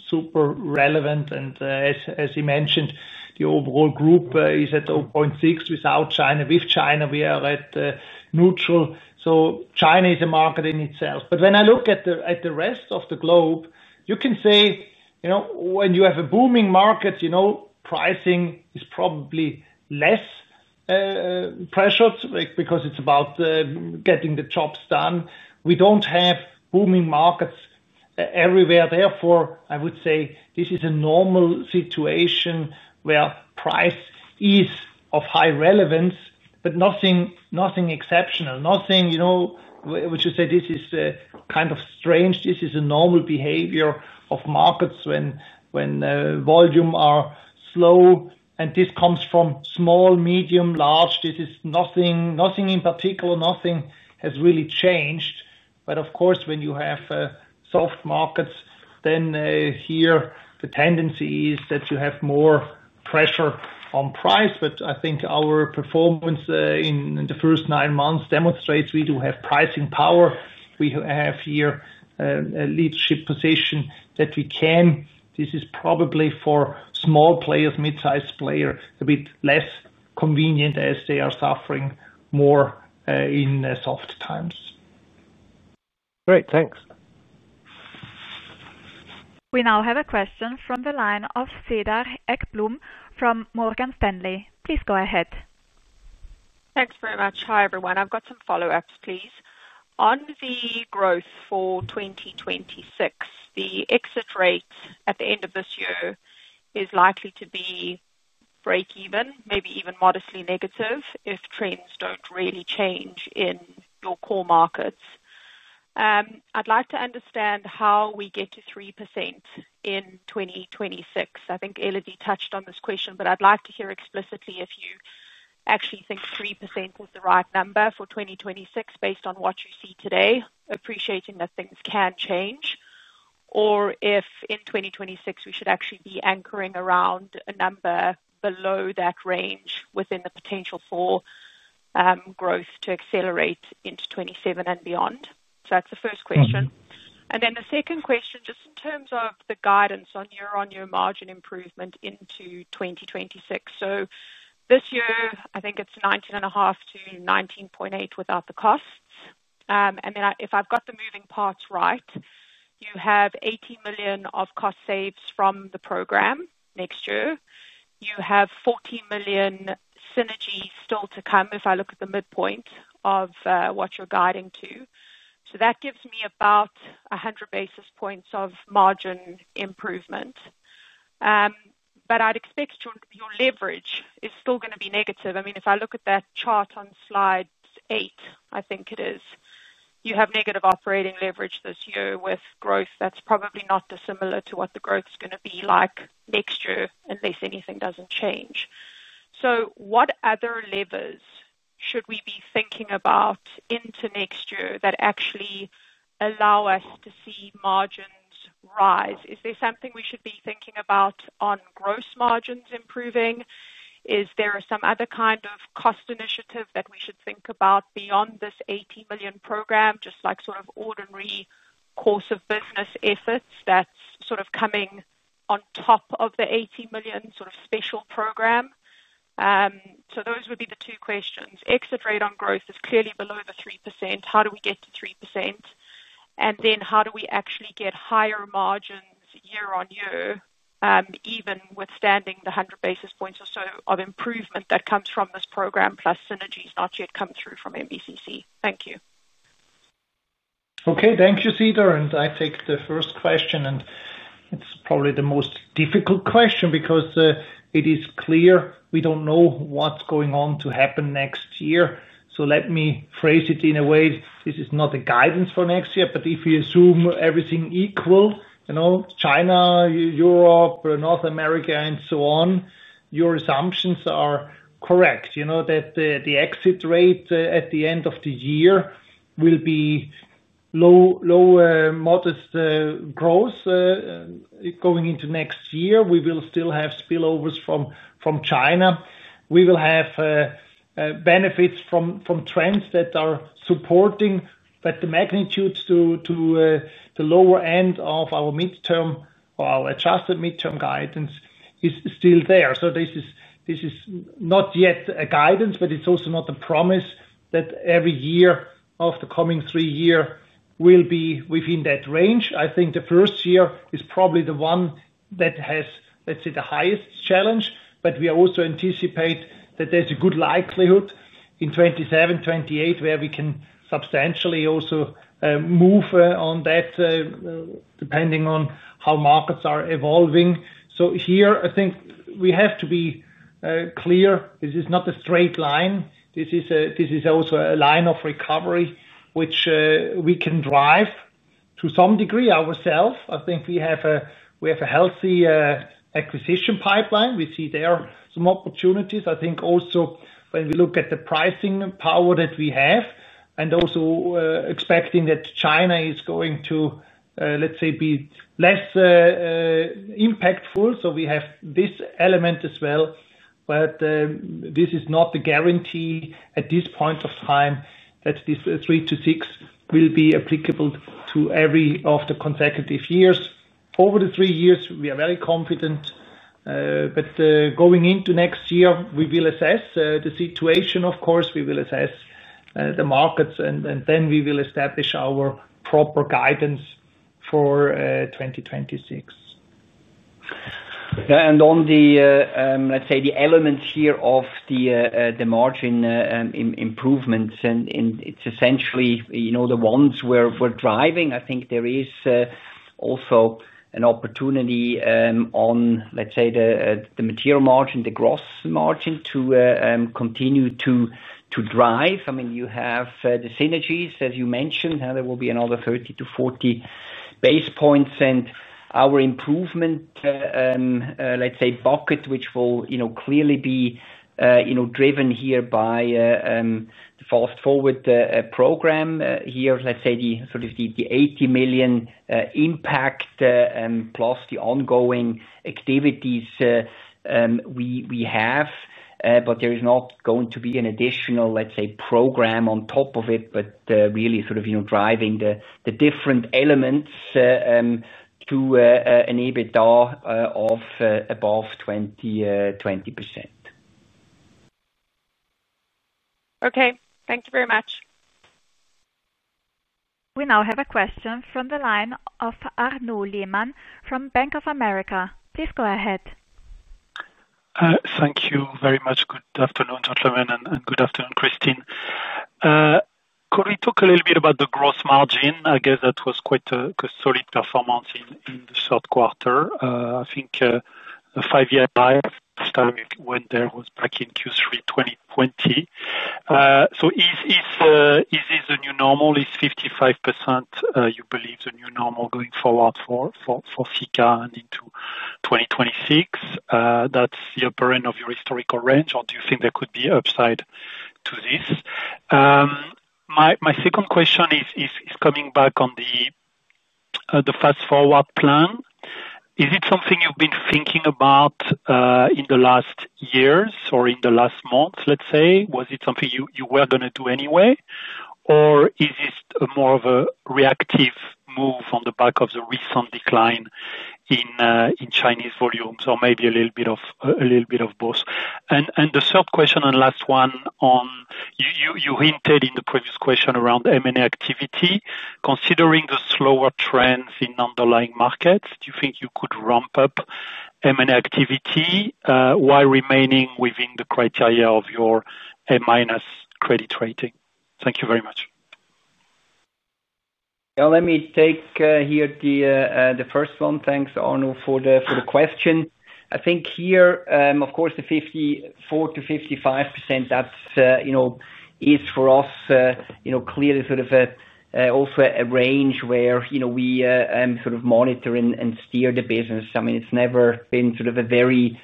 super relevant. As he mentioned, the overall group is at 0.6%. Without China, with China, we are at neutral. China is a market in itself. When I look at the rest of the globe, you can say, you know, when you have a booming market, you know, pricing is probably less pressured because it's about getting the jobs done. We don't have booming markets everywhere. Therefore, I would say this is a normal situation where price is of high relevance, but nothing exceptional. Nothing, you know, would you say this is kind of strange? This is a normal behavior of markets when volumes are slow. This comes from small, medium, large. This is nothing in particular. Nothing has really changed. Of course, when you have soft markets, then here the tendency is that you have more pressure on price. I think our performance in the first nine months demonstrates we do have pricing power. We have here a leadership position that we can. This is probably for small players, mid-sized players, a bit less convenient as they are suffering more in soft times. Great. Thanks. We now have a question from the line of Cedar Ekblom from Morgan Stanley. Please go ahead. Thanks very much. Hi, everyone. I've got some follow-ups, please. On the growth for 2026, the exit rate at the end of this year is likely to be break-even, maybe even modestly negative if trends don't really change in your core markets. I'd like to understand how we get to 3% in 2026. I think Elodie touched on this question, but I'd like to hear explicitly if you actually think 3% was the right number for 2026 based on what you see today, appreciating that things can change, or if in 2026 we should actually be anchoring around a number below that range within the potential for growth to accelerate into 2027 and beyond. That's the first question. The second question, just in terms of the guidance on your annual margin improvement into 2026. This year, I think it's 19.5%-19.8% without the costs. If I've got the moving parts right, you have 80 million of cost saves from the program next year. You have 14 million synergy still to come if I look at the midpoint of what you're guiding to. That gives me about 100 basis points of margin improvement. I'd expect your leverage is still going to be negative. If I look at that chart on slide 8, I think it is, you have negative operating leverage this year with growth that's probably not dissimilar to what the growth is going to be like next year unless anything doesn't change. What other levers should we be thinking about into next year that actually allow us to see margins rise? Is there something we should be thinking about on gross margins improving? Is there some other kind of cost initiative that we should think about beyond this 80 million program, just like sort of ordinary course of business efforts that's sort of coming on top of the 80 million sort of special program? Those would be the two questions. Exit rate on growth is clearly below the 3%. How do we get to 3%? How do we actually get higher margins year-on-year, even withstanding the 100 basis points or so of improvement that comes from this program plus synergies not yet come through from MBCC? Thank you. Okay. Thank you, Cedar. I take the first question. It's probably the most difficult question because it is clear we don't know what's going to happen next year. Let me phrase it in a way. This is not a guidance for next year, but if we assume everything equal, you know, China, Europe, North America, and so on, your assumptions are correct. You know that the exit rate at the end of the year will be low, low modest growth going into next year. We will still have spillovers from China. We will have benefits from trends that are supporting. The magnitudes to the lower end of our midterm or our adjusted midterm guidance is still there. This is not yet a guidance, but it's also not a promise that every year of the coming three years will be within that range. I think the first year is probably the one that has, let's say, the highest challenge. We also anticipate that there's a good likelihood in 2027, 2028, where we can substantially also move on that depending on how markets are evolving. Here, I think we have to be clear. This is not a straight line. This is also a line of recovery, which we can drive to some degree ourselves. I think we have a healthy acquisition pipeline. We see there some opportunities. I think also when we look at the pricing power that we have and also expecting that China is going to, let's say, be less impactful. We have this element as well. This is not the guarantee at this point of time that this 3%-6% will be applicable to every of the consecutive years. Over the three years, we are very confident. Going into next year, we will assess the situation. Of course, we will assess the markets, and then we will establish our proper guidance for 2026. Yeah. On the elements here of the margin improvements, it's essentially the ones we're driving. I think there is also an opportunity on the material margin, the gross margin, to continue to drive. I mean, you have the synergies, as you mentioned. There will be another 30-40 basis points. Our improvement bucket, which will clearly be driven here by the Fast Forward program, the sort of 80 million impact plus the ongoing activities we have. There is not going to be an additional program on top of it, but really sort of driving the different elements to enable the above 20%. Okay. Thank you very much. We now have a question from the line of Arnaud Lehmann from Bank of America. Please go ahead. Thank you very much. Good afternoon, gentlemen, and good afternoon, Christine. Could we talk a little bit about the gross margin? I guess that was quite a solid performance in the short quarter. I think the five-year highest time it went there was back in Q3 2020. Is this the new normal? Is 55% you believe the new normal going forward for Sika and into 2026? That's the upper end of your historical range, or do you think there could be upside to this? My second question is coming back on the Fast Forward plan. Is it something you've been thinking about in the last years or in the last months, let's say? Was it something you were going to do anyway, or is this more of a reactive move on the back of the recent decline in Chinese volumes or maybe a little bit of both? The third question and last one, you hinted in the previous question around M&A activity. Considering the slower trends in underlying markets, do you think you could ramp up M&A activity while remaining within the criteria of your A-minus credit rating? Thank you very much. Yeah. Let me take here the first one. Thanks, Arnaud, for the question. I think here, of course, the 54%-55%, that is for us clearly sort of also a range where we sort of monitor and steer the business. I mean, it's never been sort of a very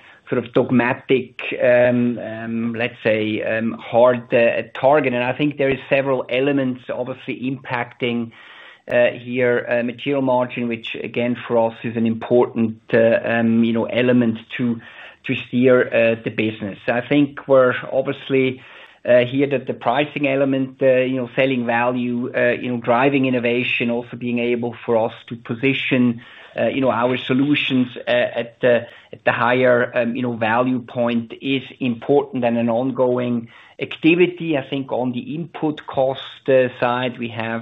dogmatic, let's say, hard target. I think there are several elements, obviously, impacting here material margin, which, again, for us is an important element to steer the business. I think we're obviously here that the pricing element, selling value, driving innovation, also being able for us to position our solutions at the higher value point is important and an ongoing activity. I think on the input cost side, we have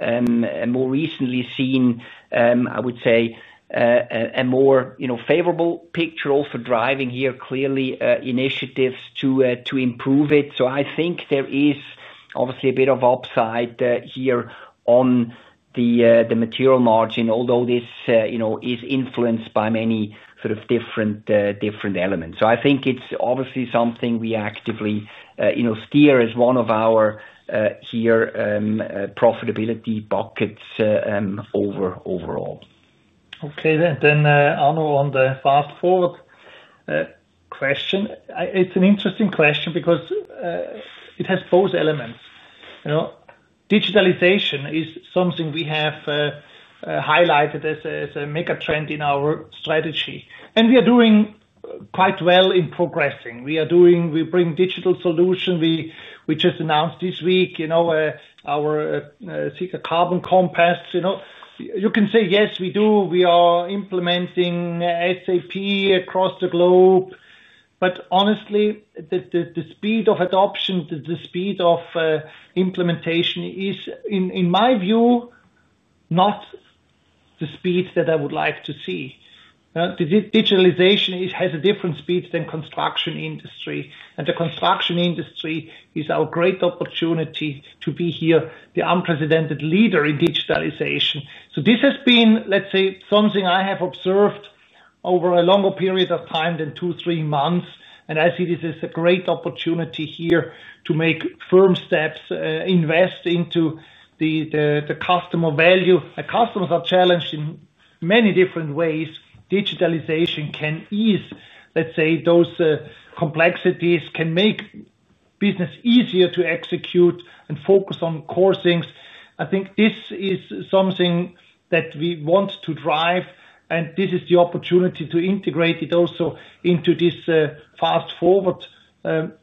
more recently seen, I would say, a more favorable picture, also driving here clearly initiatives to improve it. I think there is obviously a bit of upside here on the material margin, although this is influenced by many different elements. I think it's obviously something we actively steer as one of our here profitability buckets overall. Okay. Arnaud, on the Fast Forward question, it's an interesting question because it has both elements. Digitalization is something we have highlighted as a megatrend in our strategy, and we are doing quite well in progressing. We bring digital solutions. We just announced this week our Sika Carbon Compass. You can say, "Yes, we do. We are implementing SAP across the globe." Honestly, the speed of adoption, the speed of implementation is, in my view, not the speed that I would like to see. Digitalization has a different speed than the construction industry. The construction industry is our great opportunity to be the unprecedented leader in digitalization. This has been something I have observed over a longer period of time than two, three months. I see this as a great opportunity to make firm steps, invest into the customer value. Our customers are challenged in many different ways. Digitalization can ease those complexities, can make business easier to execute and focus on core things. I think this is something that we want to drive, and this is the opportunity to integrate it also into this Fast Forward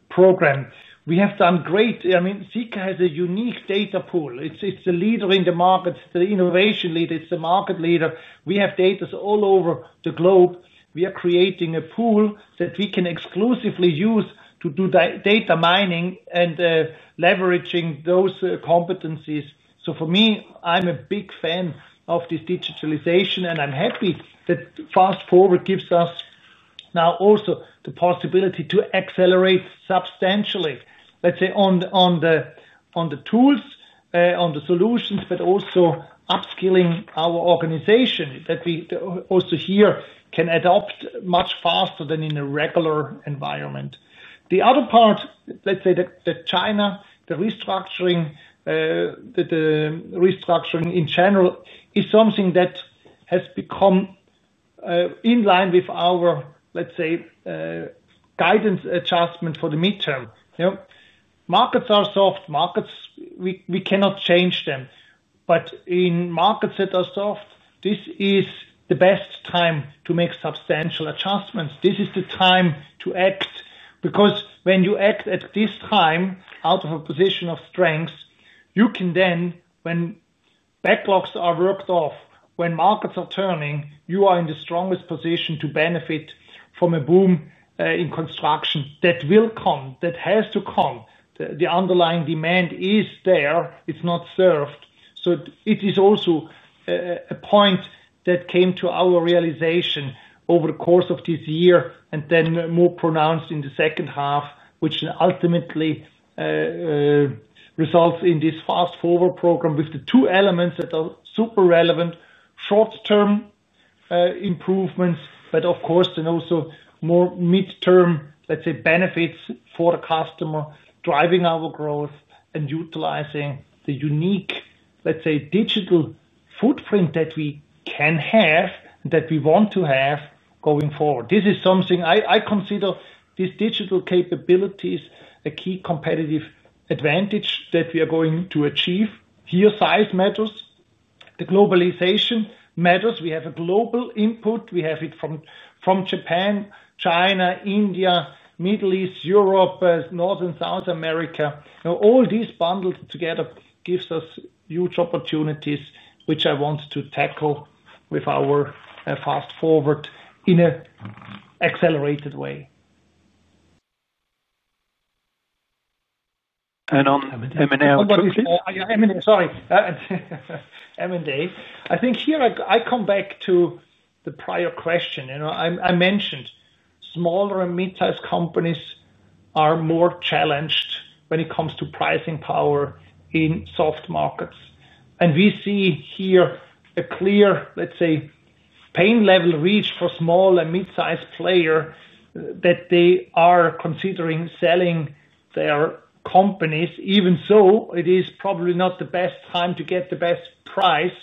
program. We have done great. Sika has a unique data pool. It's the leader in the market. It's the innovation leader. It's the market leader. We have data all over the globe. We are creating a pool that we can exclusively use to do data mining and leverage those competencies. For me, I'm a big fan of this digitalization, and I'm happy that Fast Forward gives us now also the possibility to accelerate substantially on the tools, on the solutions, but also upskilling our organization so that we also here can adopt much faster than in a regular environment. The other part, that China, the restructuring in general is something that has become in line with our guidance adjustment for the midterm. Markets are soft. Markets, we cannot change them. In markets that are soft, this is the best time to make substantial adjustments. This is the time to act because when you act at this time out of a position of strength, you can then, when backlogs are worked off, when markets are turning, you are in the strongest position to benefit from a boom in construction that will come, that has to come. The underlying demand is there. It's not served. It is also a point that came to our realization over the course of this year and then more pronounced in the second half, which ultimately results in this Fast Forward program with the two elements that are super relevant: short-term improvements, but of course, then also more midterm, let's say, benefits for the customer, driving our growth and utilizing the unique, let's say, digital footprint that we can have and that we want to have going forward. This is something I consider these digital capabilities, a key competitive advantage that we are going to achieve. Here, size matters. The globalization matters. We have a global input. We have it from Japan, China, India, Middle East, Europe, North and South America. All these bundled together give us huge opportunities, which I want to tackle with our Fast Forward in an accelerated way. On M&A? Yeah, M&A. Sorry, M&A. I think here I come back to the prior question. I mentioned smaller and mid-sized companies are more challenged when it comes to pricing power in soft markets. We see here a clear, let's say, pain level reached for small and mid-sized players that they are considering selling their companies, even though it is probably not the best time to get the best price.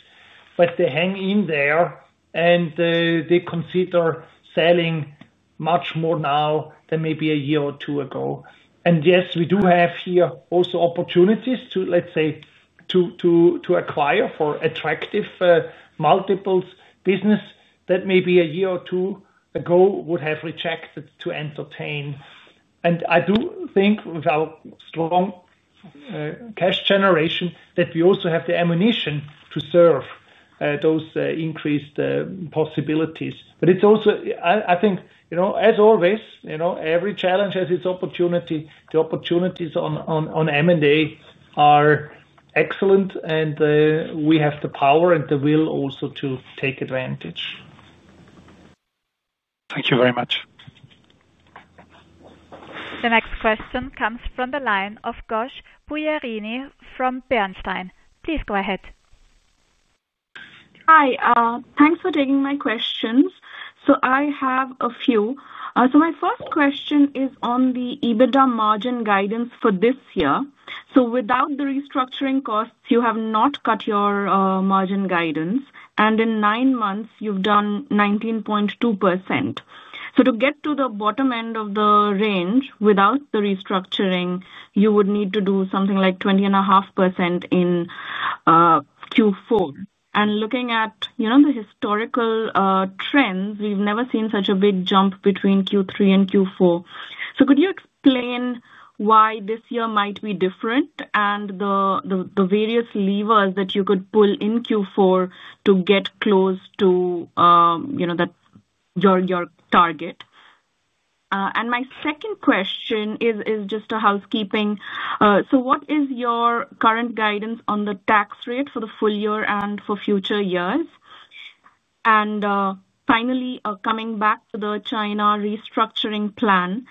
They hang in there, and they consider selling much more now than maybe a year or two ago. Yes, we do have here also opportunities to, let's say, to acquire for attractive multiples business that maybe a year or two ago would have rejected to entertain. I do think with our strong cash generation that we also have the ammunition to serve those increased possibilities. It's also, I think, you know, as always, every challenge has its opportunity. The opportunities on M&A are excellent, and we have the power and the will also to take advantage. Thank you very much. The next question comes from the line of Pujarini Ghosh from Bernstein. Please go ahead. Hi. Thanks for taking my questions. I have a few. My first question is on the EBITDA margin guidance for this year. Without the restructuring costs, you have not cut your margin guidance. In nine months, you've done 19.2%. To get to the bottom end of the range without the restructuring, you would need to do something like 20.5% in Q4. Looking at the historical trends, we've never seen such a big jump between Q3 and Q4. Could you explain why this year might be different and the various levers that you could pull in Q4 to get close to your target? My second question is just a housekeeping. What is your current guidance on the tax rate for the full year and for future years? Finally, coming back to the China restructuring plan,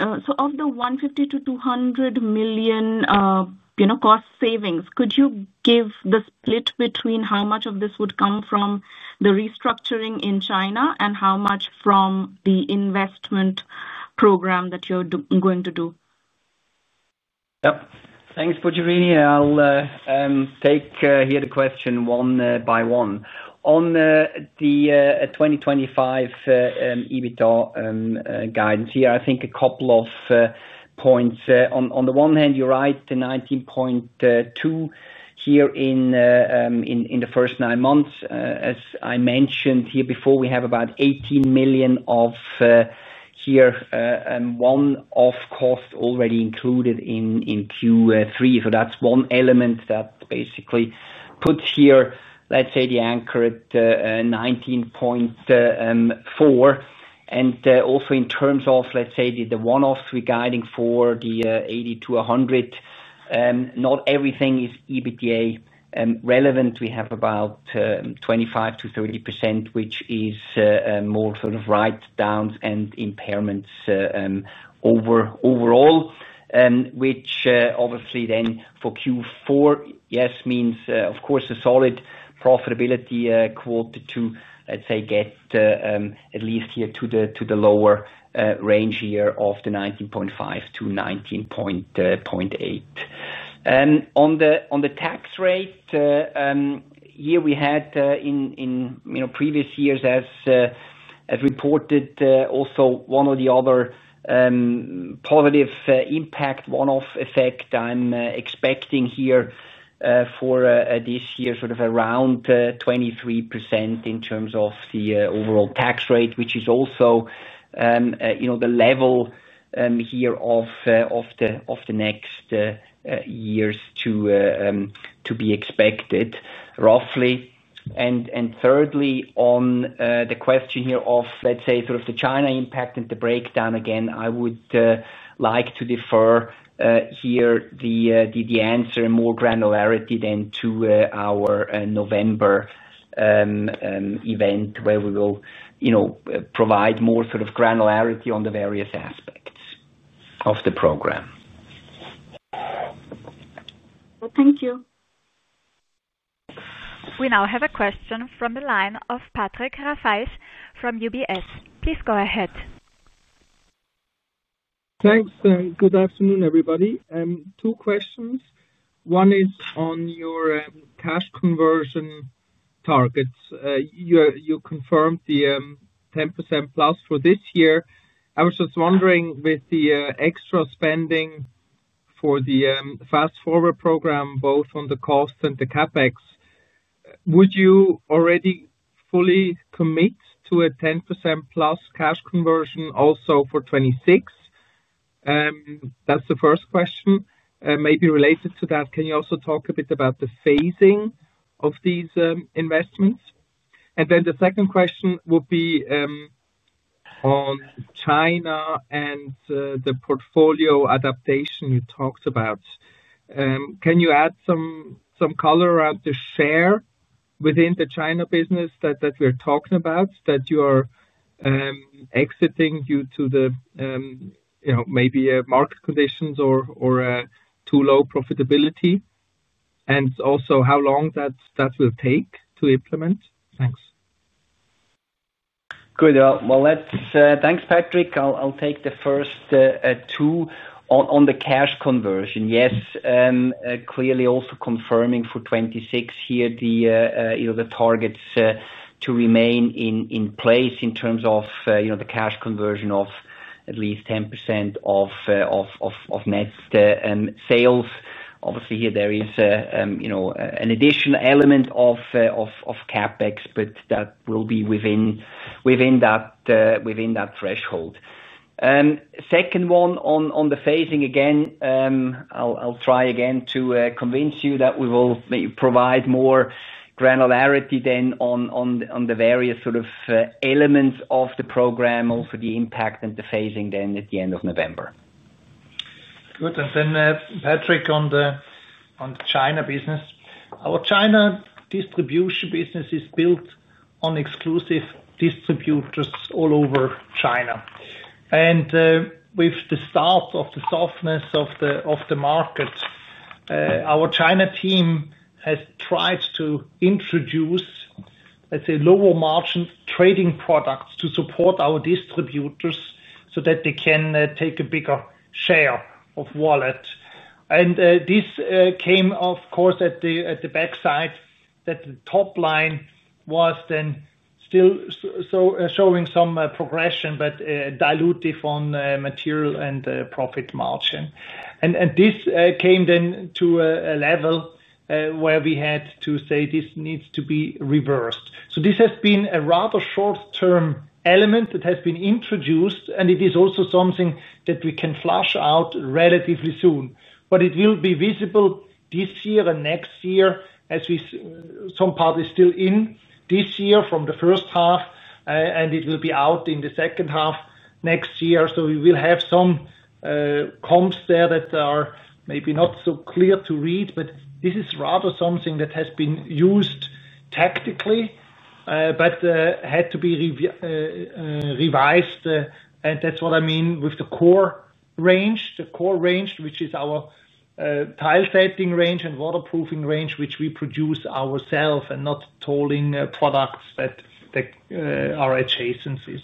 of the 150 million to 200 million cost savings, could you give the split between how much of this would come from the restructuring in China and how much from the investment program that you're going to do? Yep. Thanks, Pujarini. I'll take the question one by one. On the 2025 EBITDA guidance, I think a couple of points. On the one hand, you're right, the 19.2% in the first nine months. As I mentioned before, we have about 18 million of one-off costs already included in Q3. That's one element that basically puts the anchor at 19.4%. Also, in terms of the one-offs we're guiding for the 80 million to 100 million, not everything is EBITDA relevant. We have about 25% to 30%, which is more sort of write-downs and impairments overall, which obviously then for Q4 means, of course, a solid profitability quote to get at least to the lower range of the 19.5%-19.8%. On the tax rate, we had in previous years, as reported, also one or the other positive impact, one-off effect. I'm expecting for this year sort of around 23% in terms of the overall tax rate, which is also the level for the next years to be expected, roughly. Thirdly, on the question of the China impact and the breakdown, again, I would like to defer the answer and more granularity to our November event where we will provide more granularity on the various aspects of the program. Thank you. We now have a question from the line of Patrick Rafaisz from UBS. Please go ahead. Thanks. Good afternoon, everybody. Two questions. One is on your cash conversion targets. You confirmed the 10%+ for this year. I was just wondering, with the extra spending for the Fast Forward program, both on the cost and the CapEx, would you already fully commit to a 10%+ cash conversion also for 2026? That's the first question. Maybe related to that, can you also talk a bit about the phasing of these investments? The second question would be on China and the portfolio adaptation you talked about. Can you add some color around the share within the China business that we're talking about that you are exiting due to, you know, maybe market conditions or too low profitability? Also, how long that will take to implement? Thanks. Good. Let's thanks, Patrick. I'll take the first two on the cash conversion. Yes, clearly also confirming for 2026 here the targets to remain in place in terms of the cash conversion of at least 10% of net sales. Obviously, here there is an additional element of CapEx, but that will be within that threshold. Second one on the phasing, again, I'll try again to convince you that we will provide more granularity then on the various sort of elements of the program, also the impact and the phasing then at the end of November. Good. Patrick, on the China business, our China distribution business is built on exclusive distributors all over China. With the start of the softness of the market, our China team has tried to introduce, let's say, lower margin trading products to support our distributors so that they can take a bigger share of wallet. This came, of course, at the backside that the top line was then still showing some progression, but diluted on material and profit margin. This came then to a level where we had to say this needs to be reversed. This has been a rather short-term element that has been introduced, and it is also something that we can flush out relatively soon. It will be visible this year and next year as some part is still in this year from the first half, and it will be out in the second half next year. We will have some comps there that are maybe not so clear to read, but this is rather something that has been used tactically, but had to be revised. That's what I mean with the core range, the core range, which is our tile setting range and waterproofing range, which we produce ourselves and not tolling products that are adjacencies.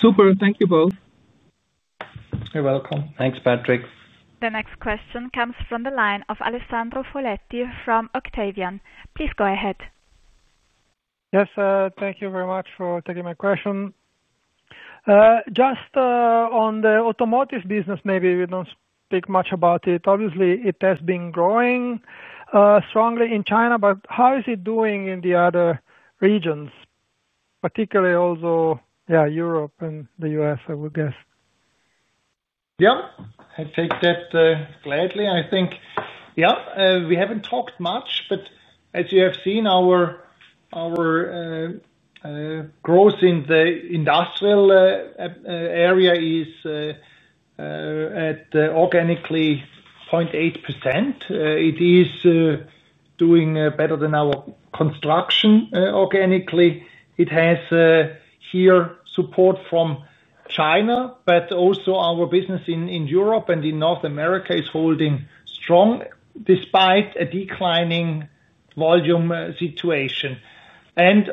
Super. Thank you both. You're welcome. Thanks, Patrick. The next question comes from the line of Alessandro Foletti from Octavian. Please go ahead. Yes. Thank you very much for taking my question. Just on the automotive business, maybe we don't speak much about it. Obviously, it has been growing strongly in China, but how is it doing in the other regions, particularly also, yeah, Europe and the U.S., I would guess? Yeah, I take that gladly. I think, yeah, we haven't talked much, but as you have seen, our growth in the industrial area is at organically 0.8%. It is doing better than our construction organically. It has here support from China, but also our business in Europe and in North America is holding strong despite a declining volume situation.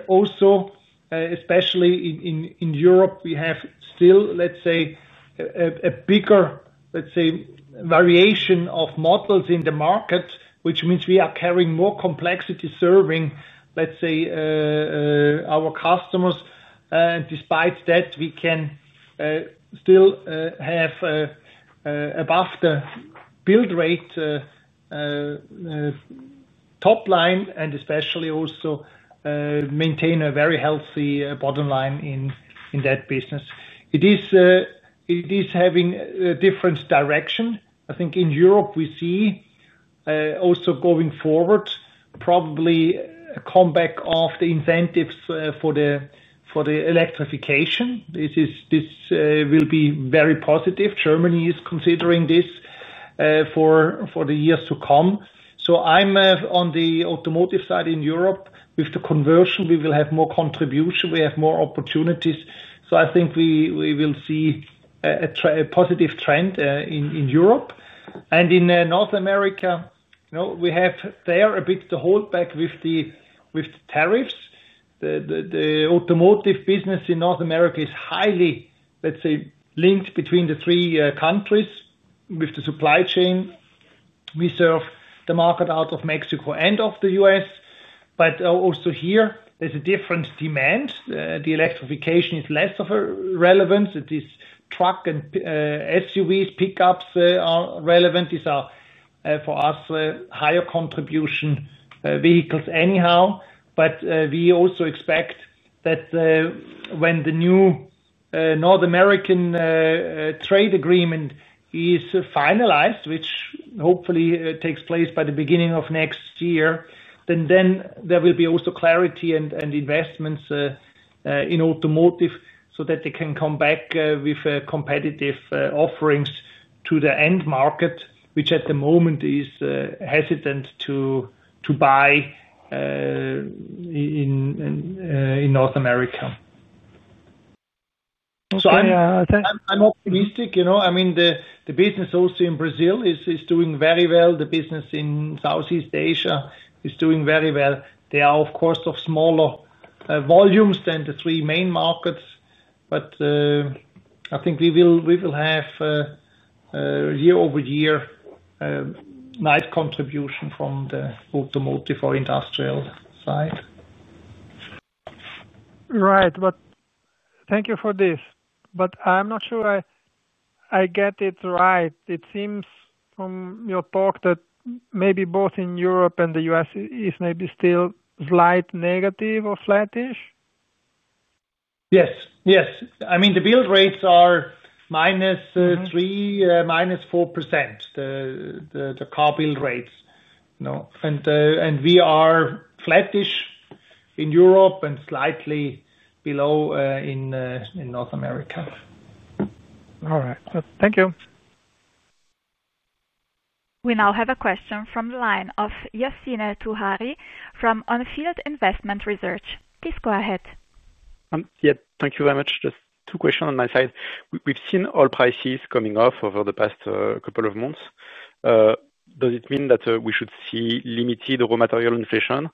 Also, especially in Europe, we have still, let's say, a bigger, let's say, variation of models in the market, which means we are carrying more complexity serving, let's say, our customers. Despite that, we can still have above the build rate top line and especially also maintain a very healthy bottom line in that business. It is having a different direction. I think in Europe, we see also going forward probably a comeback of the incentives for the electrification. This will be very positive. Germany is considering this for the years to come. I'm on the automotive side in Europe. With the conversion, we will have more contribution. We have more opportunities. I think we will see a positive trend in Europe. In North America, you know we have there a bit to hold back with the tariffs. The automotive business in North America is highly, let's say, linked between the three countries with the supply chain. We serve the market out of Mexico and of the U.S. Also here, there's a different demand. The electrification is less of a relevance. It is truck and SUVs, pickups are relevant. These are, for us, higher contribution vehicles anyhow. We also expect that when the new North American trade agreement is finalized, which hopefully takes place by the beginning of next year, there will be also clarity and investments in automotive so that they can come back with competitive offerings to the end market, which at the moment is hesitant to buy in North America. Okay. I'm optimistic. I mean, the business also in Brazil is doing very well. The business in Southeast Asia is doing very well. They are, of course, of smaller volumes than the three main markets. I think we will have year-over-year nice contribution from the automotive or industrial side. Right. Thank you for this. I'm not sure I get it right. It seems from your talk that maybe both in Europe and the U.S. is maybe still slight negative or flattish? Yes. I mean, the build rates are -3%, -4%, the car build rates. No, and we are flattish in Europe and slightly below in North America. All right. Thank you. We now have a question from the line of Yassine Touahri from On Field Investment Research. Please go ahead. Thank you very much. Just two questions on my side. We've seen oil prices coming up over the past couple of months. Does it mean that we should see limited raw material inflation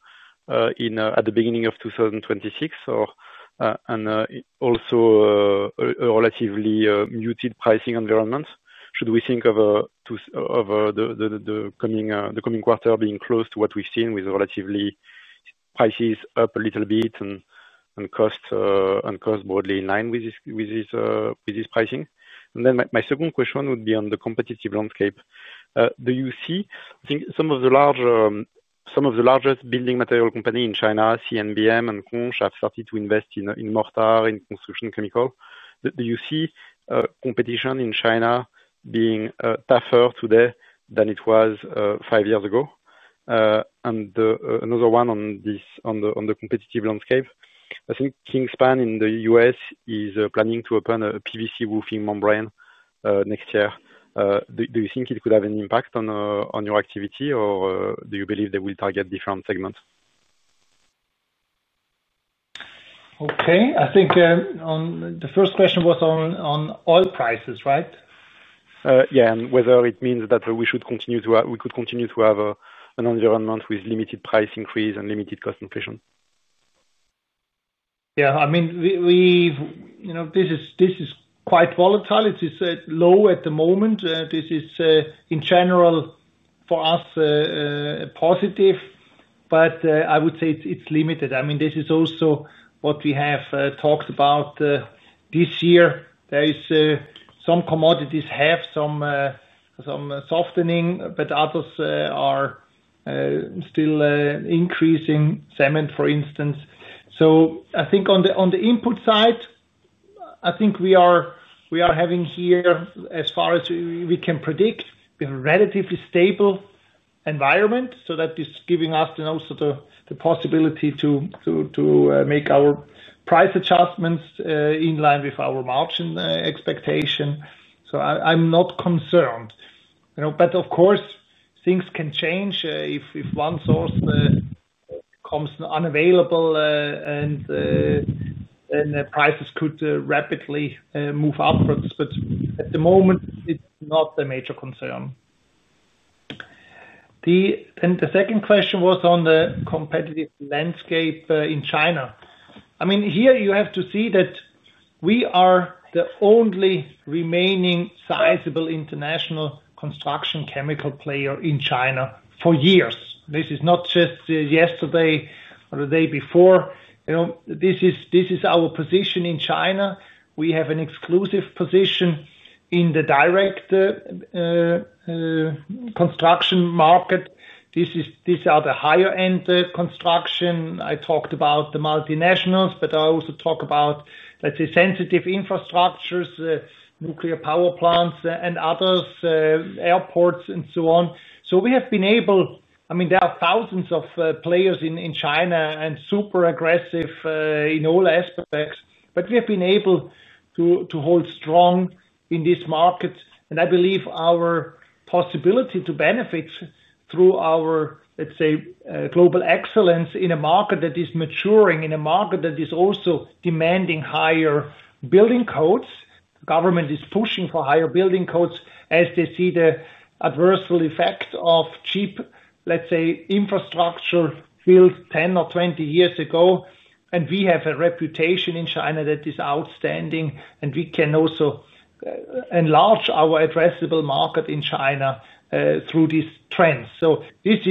at the beginning of 2026 or also a relatively muted pricing environment? Should we think of the coming quarter being close to what we've seen with prices up a little bit and cost broadly in line with this pricing? My second question would be on the competitive landscape. Do you see some of the largest building material companies in China, CNBM and QUM, have started to invest in mortar and construction chemicals? Do you see competition in China being tougher today than it was five years ago? Another one on the competitive landscape, I think Kingspan in the U.S. is planning to open a PVC roofing membrane next year. Do you think it could have an impact on your activity, or do you believe they will target different segments? Okay. I think the first question was on oil prices, right? Yeah, whether it means that we could continue to have an environment with limited price increase and limited cost inflation. Yeah. I mean, this is quite volatile. It is low at the moment. This is, in general, for us, positive, but I would say it's limited. I mean, this is also what we have talked about this year. Some commodities have some softening, but others are still increasing, cement, for instance. I think on the input side, we are having here, as far as we can predict, a relatively stable environment. That is giving us also the possibility to make our price adjustments in line with our margin expectation. I'm not concerned. Of course, things can change if one source becomes unavailable and prices could rapidly move upwards. At the moment, it's not a major concern. The second question was on the competitive landscape in China. Here you have to see that we are the only remaining sizable international construction chemicals player in China for years. This is not just yesterday or the day before. This is our position in China. We have an exclusive position in the direct construction market. These are the higher-end construction. I talked about the multinationals, but I also talk about, let's say, sensitive infrastructures, nuclear power plants, and others, airports, and so on. We have been able, I mean, there are thousands of players in China and super aggressive in all aspects, but we have been able to hold strong in these markets. I believe our possibility to benefit through our, let's say, global excellence in a market that is maturing, in a market that is also demanding higher building codes. The government is pushing for higher building codes as they see the adversarial effects of cheap, let's say, infrastructure built 10 or 20 years ago. We have a reputation in China that is outstanding. We can also enlarge our addressable market in China through these trends. This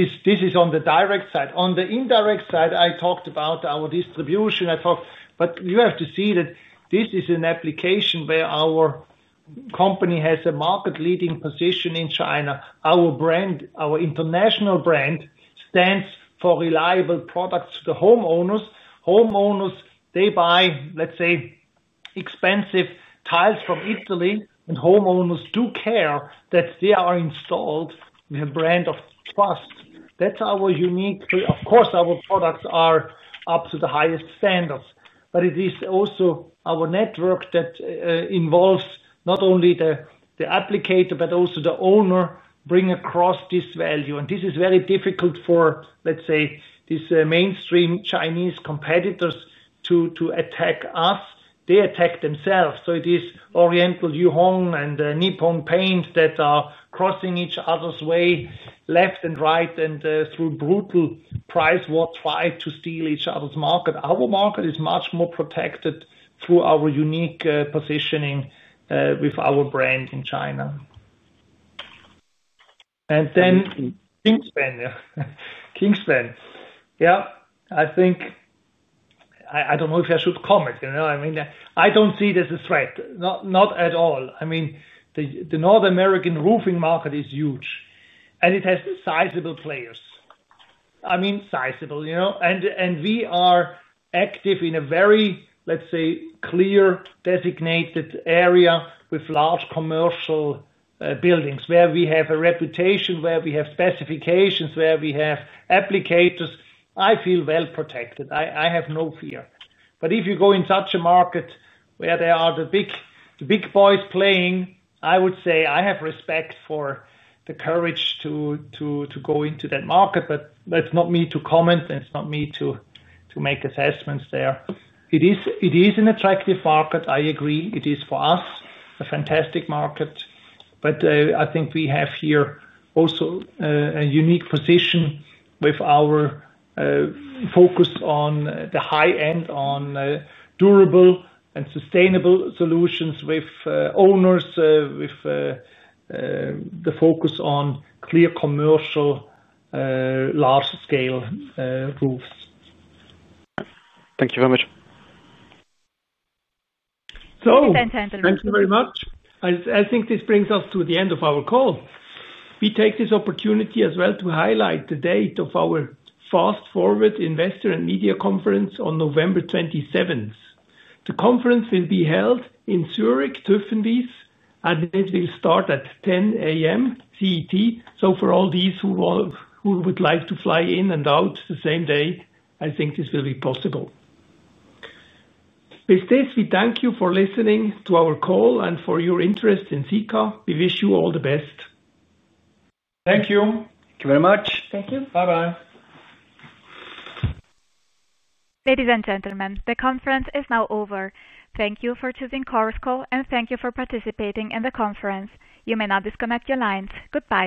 is on the direct side. On the indirect side, I talked about our distribution. You have to see that this is an application where our company has a market-leading position in China. Our brand, our international brand, stands for reliable products to the homeowners. Homeowners, they buy, let's say, expensive tiles from Italy, and homeowners do care that they are installed with a brand of trust. That's our unique, of course, our products are up to the highest standards. It is also our network that involves not only the applicator but also the owner bringing across this value. This is very difficult for, let's say, these mainstream Chinese competitors to attack us. They attack themselves. It is Oriental Yuhong and Nippon Paint that are crossing each other's way left and right and through brutal price war trying to steal each other's market. Our market is much more protected through our unique positioning with our brand in China. Then Kingspan. I think I don't know if I should comment. I don't see it as a threat. Not at all. The North American roofing market is huge, and it has sizable players. I mean, sizable. We are active in a very, let's say, clear designated area with large commercial buildings where we have a reputation, where we have specifications, where we have applicators. I feel well protected. I have no fear. If you go in such a market where there are the big boys playing, I would say I have respect for the courage to go into that market. That's not me to comment. That's not me to make assessments there. It is an attractive market. I agree. It is for us a fantastic market. I think we have here also a unique position with our focus on the high end, on durable and sustainable solutions with owners, with the focus on clear commercial large-scale roofs. Thank you very much. Thank you very much. I think this brings us to the end of our call. We take this opportunity as well to highlight the date of our Fast Forward Investor and Media Conference on November 27. The conference will be held in Zurich, Tüffenwiese, and it will start at 10:00 A.M. CET. For all those who would like to fly in and out the same day, I think this will be possible. With this, we thank you for listening to our call and for your interest in Sika. We wish you all the best. Thank you. Thank you very much. Thank you. Bye-bye. Ladies and gentlemen, the conference is now over. Thank you for choosing Coursecall, and thank you for participating in the conference. You may now disconnect your lines. Goodbye.